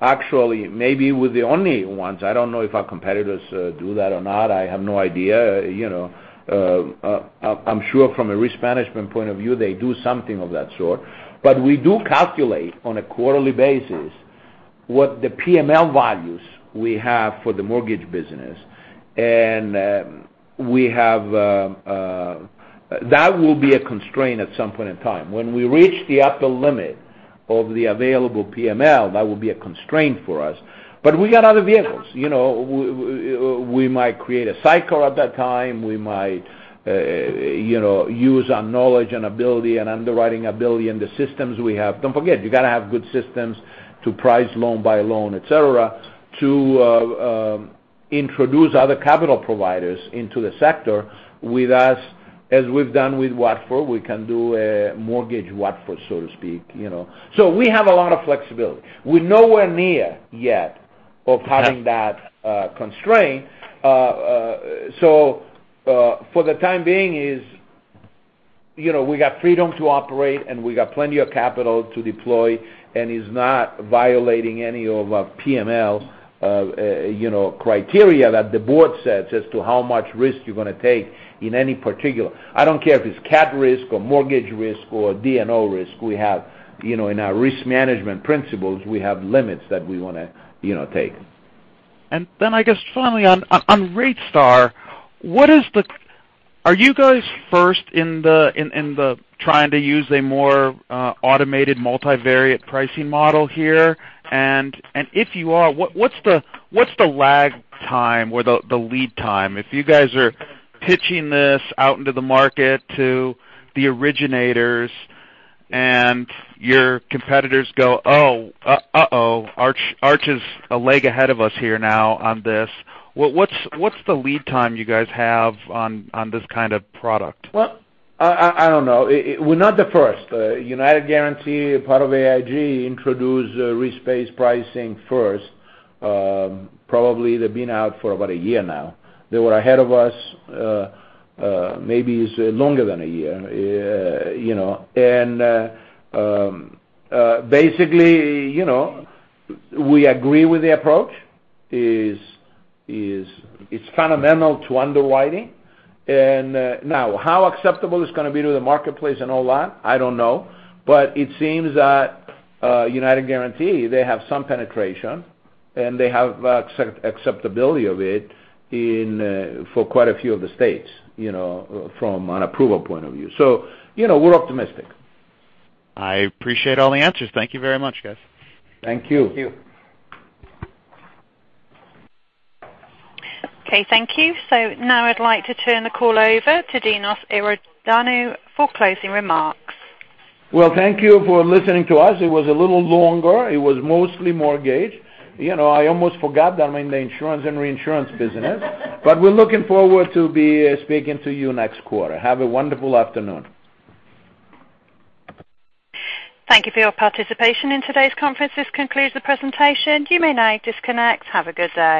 actually, maybe we're the only ones. I don't know if our competitors do that or not. I have no idea. I'm sure from a risk management point of view, they do something of that sort. We do calculate on a quarterly basis what the PML values we have for the mortgage business. That will be a constraint at some point in time. When we reach the upper limit of the available PML, that will be a constraint for us. We got other vehicles. We might create a sidecar at that time. We might use our knowledge and ability and underwriting ability and the systems we have. Don't forget, you got to have good systems to price loan by loan, et cetera, to introduce other capital providers into the sector with us, as we've done with Watford. We can do a mortgage Watford, so to speak. We have a lot of flexibility. We're nowhere near yet of having that constraint. For the time being is we got freedom to operate, and we got plenty of capital to deploy, and it's not violating any of our PML criteria that the board sets as to how much risk you're gonna take in any particular. I don't care if it's cat risk or mortgage risk or D&O risk. In our risk management principles, we have limits that we wanna take. I guess finally on RateStar, are you guys first in the trying to use a more automated multivariate pricing model here? If you are, what's the lag time or the lead time? If you guys are pitching this out into the market to the originators and your competitors go, "Oh, uh-oh, Arch is a leg ahead of us here now on this," what's the lead time you guys have on this kind of product? Well, I don't know. We're not the first. United Guaranty, part of AIG, introduced risk-based pricing first. Probably they've been out for about a year now. They were ahead of us. Maybe it's longer than a year. Basically, we agree with the approach. It's fundamental to underwriting. Now, how acceptable it's gonna be to the marketplace and all that, I don't know. It seems that United Guaranty, they have some penetration, and they have acceptability of it for quite a few of the states, from an approval point of view. We're optimistic. I appreciate all the answers. Thank you very much, guys. Thank you. Thank you. Okay, thank you. Now I'd like to turn the call over to Dinos Iordanou for closing remarks. Thank you for listening to us. It was a little longer. It was mostly mortgage. I almost forgot that I'm in the insurance and reinsurance business. We're looking forward to be speaking to you next quarter. Have a wonderful afternoon. Thank you for your participation in today's conference. This concludes the presentation. You may now disconnect. Have a good day.